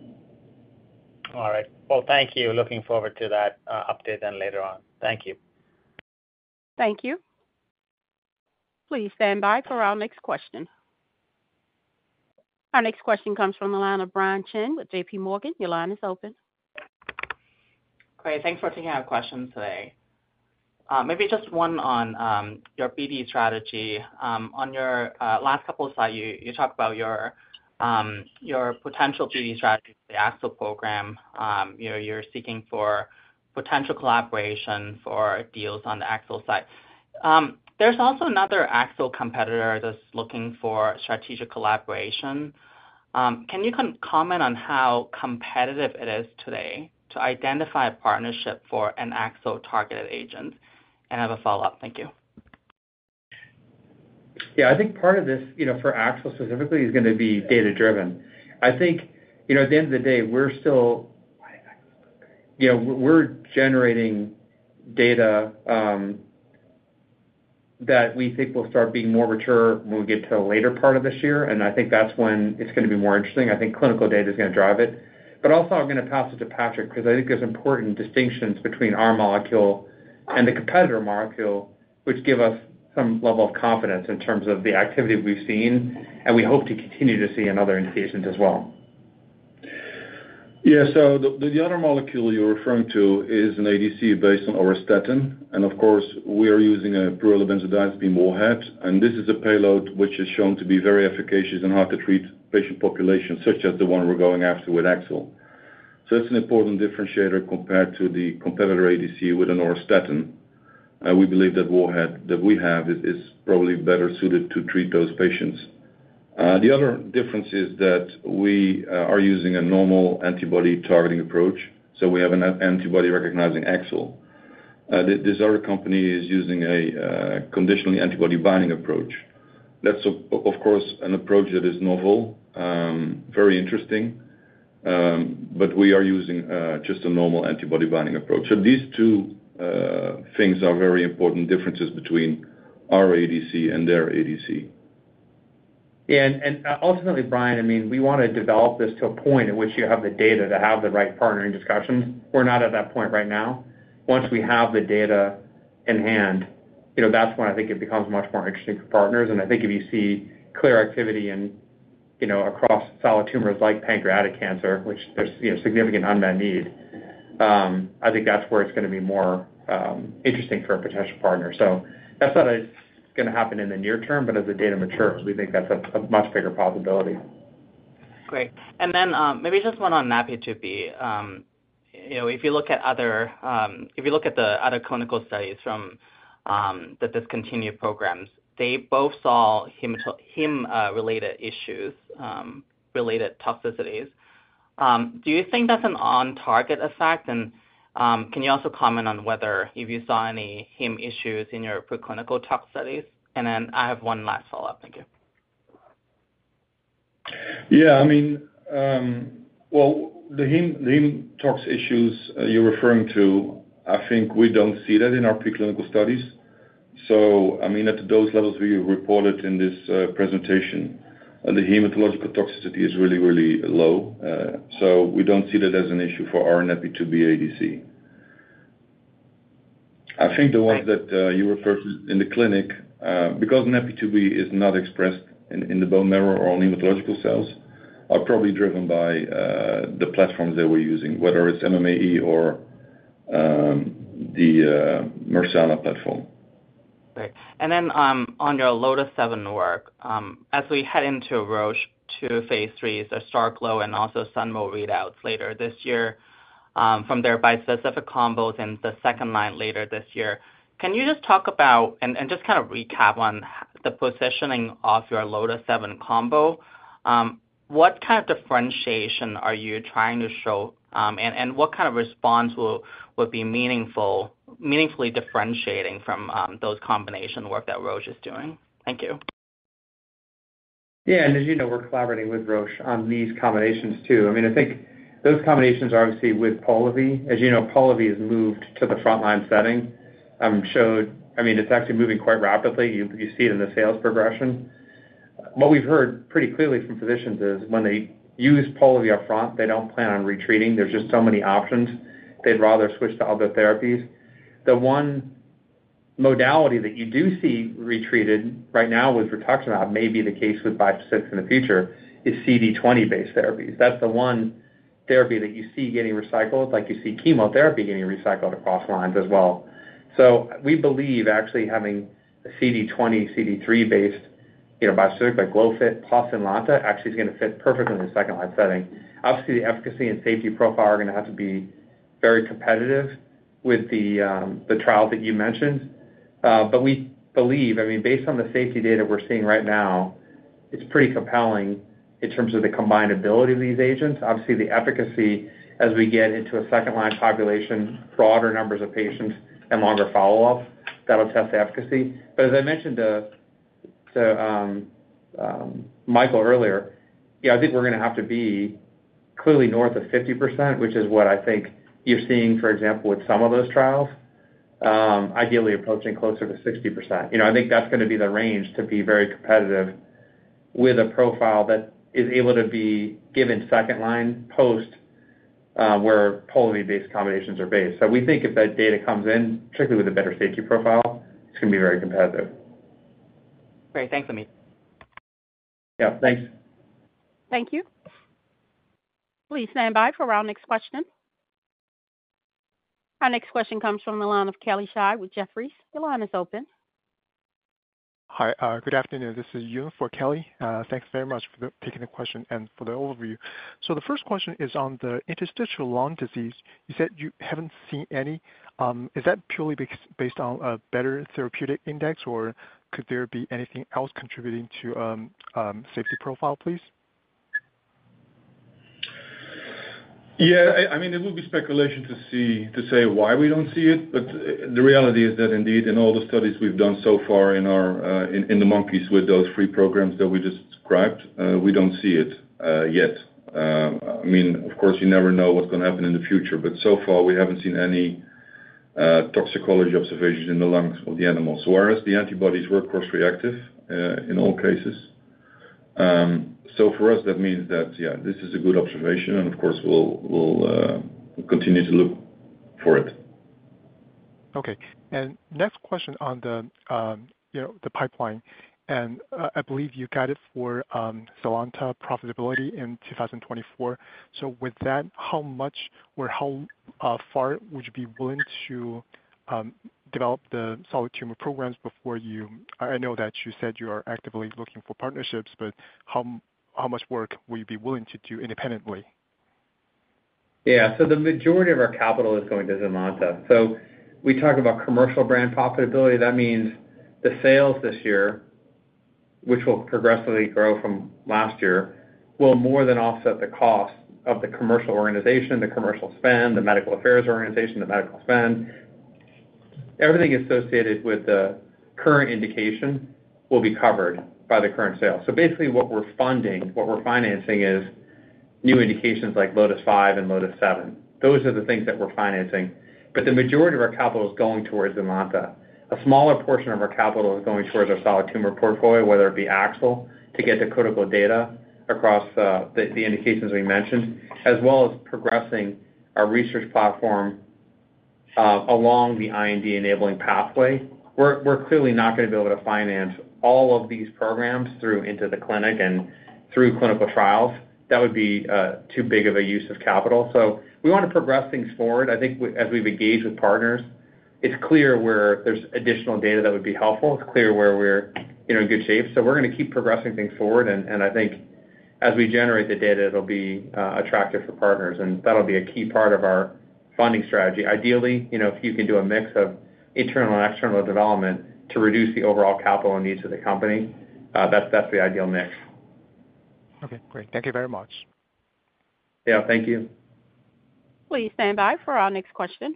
All right. Well, thank you. Looking forward to that update then later on. Thank you. Thank you. Please stand by for our next question. Our next question comes from the line of Brian Cheng with JP Morgan. Your line is open. Great. Thanks for taking our questions today. Maybe just one on your BD strategy. On your last couple of slides, you talked about your potential BD strategy, the AXL program. You're seeking for potential collaboration for deals on the AXL side. There's also another AXL competitor that's looking for strategic collaboration. Can you comment on how competitive it is today to identify a partnership for an AXL-targeted agent? And I have a follow-up. Thank you. Yeah. I think part of this for AXL specifically is going to be data-driven. I think at the end of the day, we're still generating data that we think will start being more mature when we get to the later part of this year. And I think that's when it's going to be more interesting. I think clinical data is going to drive it. But also, I'm going to pass it to Patrick because I think there's important distinctions between our molecule and the competitor molecule, which give us some level of confidence in terms of the activity we've seen, and we hope to continue to see in other indications as well. Yeah. So the other molecule you're referring to is an ADC based on auristatin. And of course, we are using a pyrrolobenzodiazepine warhead. And this is a payload which is shown to be very efficacious in hard-to-treat patient populations such as the one we're going after with AXL. So that's an important differentiator compared to the competitor ADC with an auristatin. And we believe that warhead that we have is probably better suited to treat those patients. The other difference is that we are using a normal antibody targeting approach. So we have an antibody recognizing AXL. This other company is using a conditionally antibody-binding approach. That's, of course, an approach that is novel, very interesting, but we are using just a normal antibody-binding approach. So these two things are very important differences between our ADC and their ADC. Yeah. Ultimately, Brian, I mean, we want to develop this to a point at which you have the data to have the right partnering discussions. We're not at that point right now. Once we have the data in hand, that's when I think it becomes much more interesting for partners. And I think if you see clear activity across solid tumors like pancreatic cancer, which there's significant unmet need, I think that's where it's going to be more interesting for a potential partner. So that's not going to happen in the near term, but as the data matures, we think that's a much bigger possibility. Great. And then maybe just one on NaPi2b. If you look at the other clinical studies from the discontinued programs, they both saw heme-related issues, related toxicities. Do you think that's an on-target effect? And can you also comment on whether if you saw any heme issues in your preclinical tox studies? And then I have one last follow-up. Thank you. Yeah. I mean, well, the heme tox issues you're referring to, I think we don't see that in our preclinical studies. So I mean, at those levels we reported in this presentation, the hematological toxicity is really, really low. So we don't see that as an issue for our NaPi2b ADC. I think the ones that you referred to in the clinic because NaPi2b is not expressed in the bone marrow or on hematological cells are probably driven by the platforms that we're using, whether it's MMAE or the Mersana platform. Great. And then on your LOTIS-7 work, as we head into Roche to phase 3, so STARGLO and also SUNMO readouts later this year from their bispecific combos in the second line later this year, can you just talk about and just kind of recap on the positioning of your LOTIS-7 combo? What kind of differentiation are you trying to show, and what kind of response would be meaningfully differentiating from those combination work that Roche is doing? Thank you. Yeah. And as you know, we're collaborating with Roche on these combinations too. I mean, I think those combinations are obviously with Polivy. As you know, Polivy has moved to the front-line setting. I mean, it's actually moving quite rapidly. You see it in the sales progression. What we've heard pretty clearly from physicians is when they use Polivy upfront, they don't plan on retreating. There's just so many options. They'd rather switch to other therapies. The one modality that you do see retreated right now, which we're talking about may be the case with bispecifics in the future, is CD20-based therapies. That's the one therapy that you see getting recycled, like you see chemotherapy getting recycled across lines as well. So we believe actually having a CD20, CD3-based bispecific like glofitamab plus ZYNLONTA actually is going to fit perfectly in the second-line setting. Obviously, the efficacy and safety profile are going to have to be very competitive with the trials that you mentioned. But we believe, I mean, based on the safety data we're seeing right now, it's pretty compelling in terms of the combinability of these agents. Obviously, the efficacy as we get into a second-line population, broader numbers of patients, and longer follow-up, that'll test the efficacy. But as I mentioned to Michael earlier, I think we're going to have to be clearly north of 50%, which is what I think you're seeing, for example, with some of those trials, ideally approaching closer to 60%. I think that's going to be the range to be very competitive with a profile that is able to be given second-line post where Polivy-based combinations are based. We think if that data comes in, particularly with a better safety profile, it's going to be very competitive. Great. Thanks, Ameet. Yep. Thanks. Thank you. Please stand by for our next question. Our next question comes from the line of Kelly Shi with Jefferies. Your line is open. Hi. Good afternoon. This is Yuan for Kelly. Thanks very much for taking the question and for the overview. The first question is on the interstitial lung disease. You said you haven't seen any. Is that purely based on a better therapeutic index, or could there be anything else contributing to safety profile, please? Yeah. I mean, it would be speculation to say why we don't see it. But the reality is that indeed, in all the studies we've done so far in the monkeys with those three programs that we just described, we don't see it yet. I mean, of course, you never know what's going to happen in the future. But so far, we haven't seen any toxicology observations in the lungs of the animals. So whereas the antibodies were cross-reactive in all cases, so for us, that means that, yeah, this is a good observation. And of course, we'll continue to look for it. Okay. Next question on the pipeline. I believe you got it for ZYNLONTA profitability in 2024. So with that, how much or how far would you be willing to develop the solid tumor programs before you? I know that you said you are actively looking for partnerships, but how much work will you be willing to do independently? Yeah. So the majority of our capital is going to ZYNLONTA. So we talk about commercial brand profitability. That means the sales this year, which will progressively grow from last year, will more than offset the cost of the commercial organization, the commercial spend, the medical affairs organization, the medical spend. Everything associated with the current indication will be covered by the current sale. So basically, what we're funding, what we're financing is new indications like LOTIS-5 and LOTIS-7. Those are the things that we're financing. But the majority of our capital is going towards ZYNLONTA. A smaller portion of our capital is going towards our solid tumor portfolio, whether it be AXL, to get the critical data across the indications we mentioned, as well as progressing our research platform along the IND-enabling pathway. We're clearly not going to be able to finance all of these programs through into the clinic and through clinical trials. That would be too big of a use of capital. So we want to progress things forward. I think as we've engaged with partners, it's clear where there's additional data that would be helpful. It's clear where we're in good shape. So we're going to keep progressing things forward. And I think as we generate the data, it'll be attractive for partners. And that'll be a key part of our funding strategy. Ideally, if you can do a mix of internal and external development to reduce the overall capital and needs of the company, that's the ideal mix. Okay. Great. Thank you very much. Yeah. Thank you. Please stand by for our next question.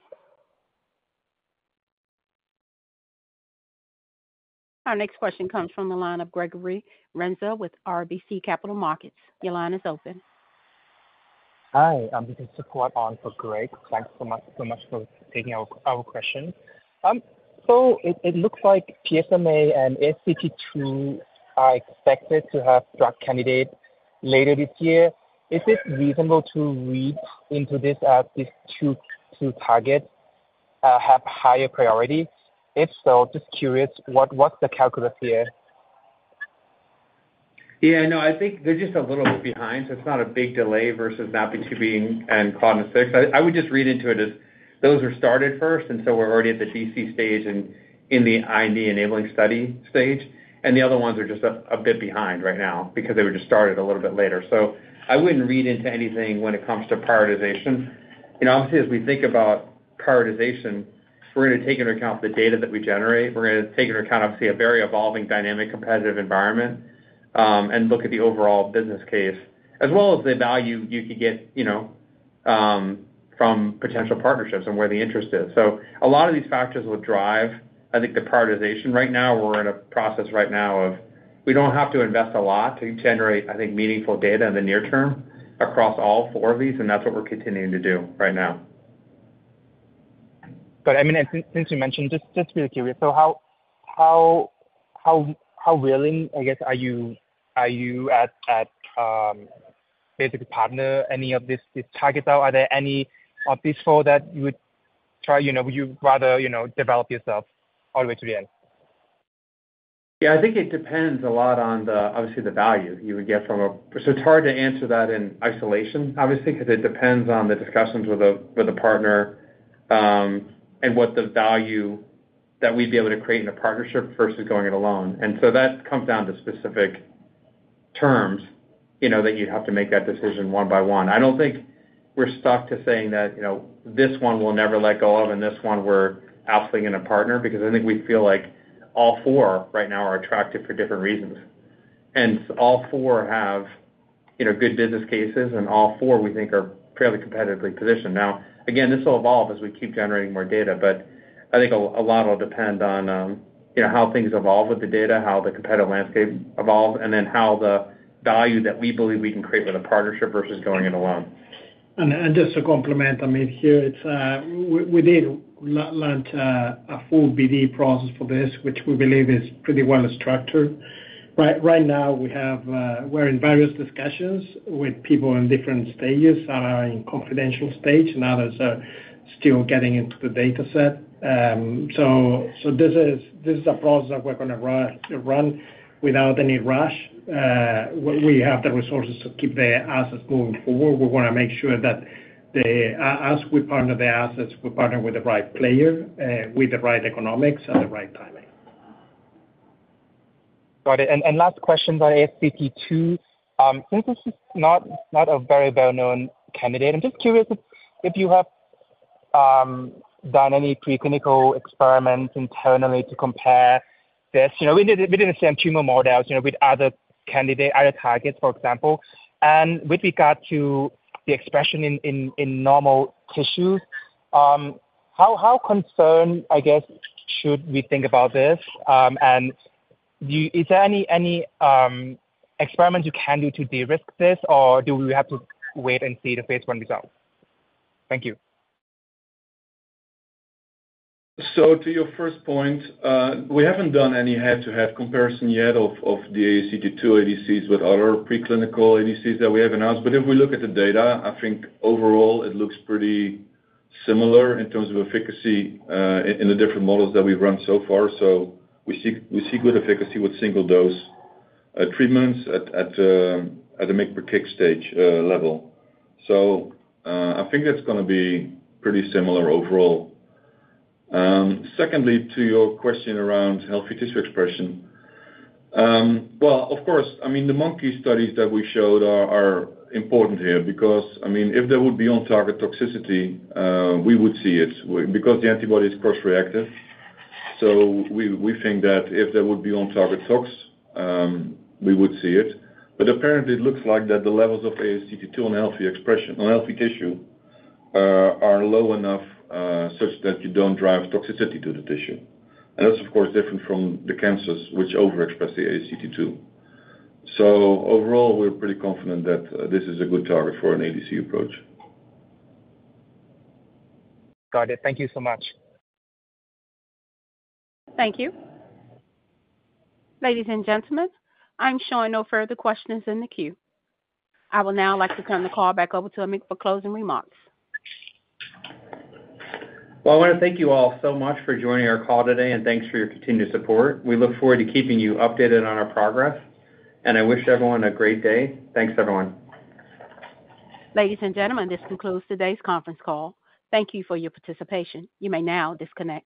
Our next question comes from the line of Gregory Renza with RBC Capital Markets. Your line is open. Hi. I'm just a quick one for Greg. Thanks so much for taking our question. So it looks like PSMA and ASCT2 are expected to have drug candidates later this year. Is it reasonable to read into this as these two targets have higher priority? If so, just curious, what's the calculus here? Yeah. No. I think they're just a little bit behind. So it's not a big delay versus NaPi2b and Claudin-6. I would just read into it as those were started first, and so we're already at the DC stage and in the IND-enabling study stage. And the other ones are just a bit behind right now because they were just started a little bit later. So I wouldn't read into anything when it comes to prioritization. Obviously, as we think about prioritization, we're going to take into account the data that we generate. We're going to take into account, obviously, a very evolving, dynamic, competitive environment and look at the overall business case, as well as the value you could get from potential partnerships and where the interest is. So a lot of these factors will drive, I think, the prioritization right now. We're in a process right now of we don't have to invest a lot to generate, I think, meaningful data in the near term across all four of these. That's what we're continuing to do right now. I mean, since you mentioned, just to be curious, so how willing, I guess, are you to basically partner any of these targets out? Are there any obvious for that you would try? Would you rather develop yourself all the way to the end? Yeah. I think it depends a lot on, obviously, the value you would get from a so it's hard to answer that in isolation, obviously, because it depends on the discussions with the partner and what the value that we'd be able to create in a partnership versus going it alone. And so that comes down to specific terms that you'd have to make that decision one by one. I don't think we're stuck to saying that this one will never let go of, and this one, we're absolutely going to partner because I think we feel like all four right now are attractive for different reasons. And all four have good business cases, and all four, we think, are fairly competitively positioned. Now, again, this will evolve as we keep generating more data. But I think a lot will depend on how things evolve with the data, how the competitive landscape evolves, and then how the value that we believe we can create with a partnership versus going it alone. Just to complement, Ameet here, we did launch a full BD process for this, which we believe is pretty well structured. Right now, we're in various discussions with people in different stages. Some are in confidential stage, and others are still getting into the dataset. So this is a process that we're going to run without any rush. We have the resources to keep the assets moving forward. We want to make sure that as we partner the assets, we partner with the right player with the right economics at the right timing. Got it. Last question on ASCT2. Since this is not a very well-known candidate, I'm just curious if you have done any preclinical experiments internally to compare this. We didn't send tumor models with other targets, for example. With regard to the expression in normal tissues, how concerned, I guess, should we think about this? Is there any experiments you can do to de-risk this, or do we have to wait and see the phase 1 result? Thank you. So to your first point, we haven't done any head-to-head comparison yet of the ASCT2 ADCs with other preclinical ADCs that we have announced. But if we look at the data, I think overall, it looks pretty similar in terms of efficacy in the different models that we've run so far. So we see good efficacy with single-dose treatments at the mg/kg stage level. So I think that's going to be pretty similar overall. Secondly, to your question around healthy tissue expression, well, of course, I mean, the monkey studies that we showed are important here because, I mean, if there would be on-target toxicity, we would see it because the antibody is cross-reactive. So we think that if there would be on-target tox, we would see it. But apparently, it looks like that the levels of ASCT2 on healthy tissue are low enough such that you don't drive toxicity to the tissue. And that's, of course, different from the cancers, which overexpress the ASCT2. So overall, we're pretty confident that this is a good target for an ADC approach. Got it. Thank you so much. Thank you. Ladies and gentlemen, I'm showing no further questions in the queue. I will now like to turn the call back over to Ameet for closing remarks. Well, I want to thank you all so much for joining our call today, and thanks for your continued support. We look forward to keeping you updated on our progress. And I wish everyone a great day. Thanks, everyone. Ladies and gentlemen, this concludes today's conference call. Thank you for your participation. You may now disconnect.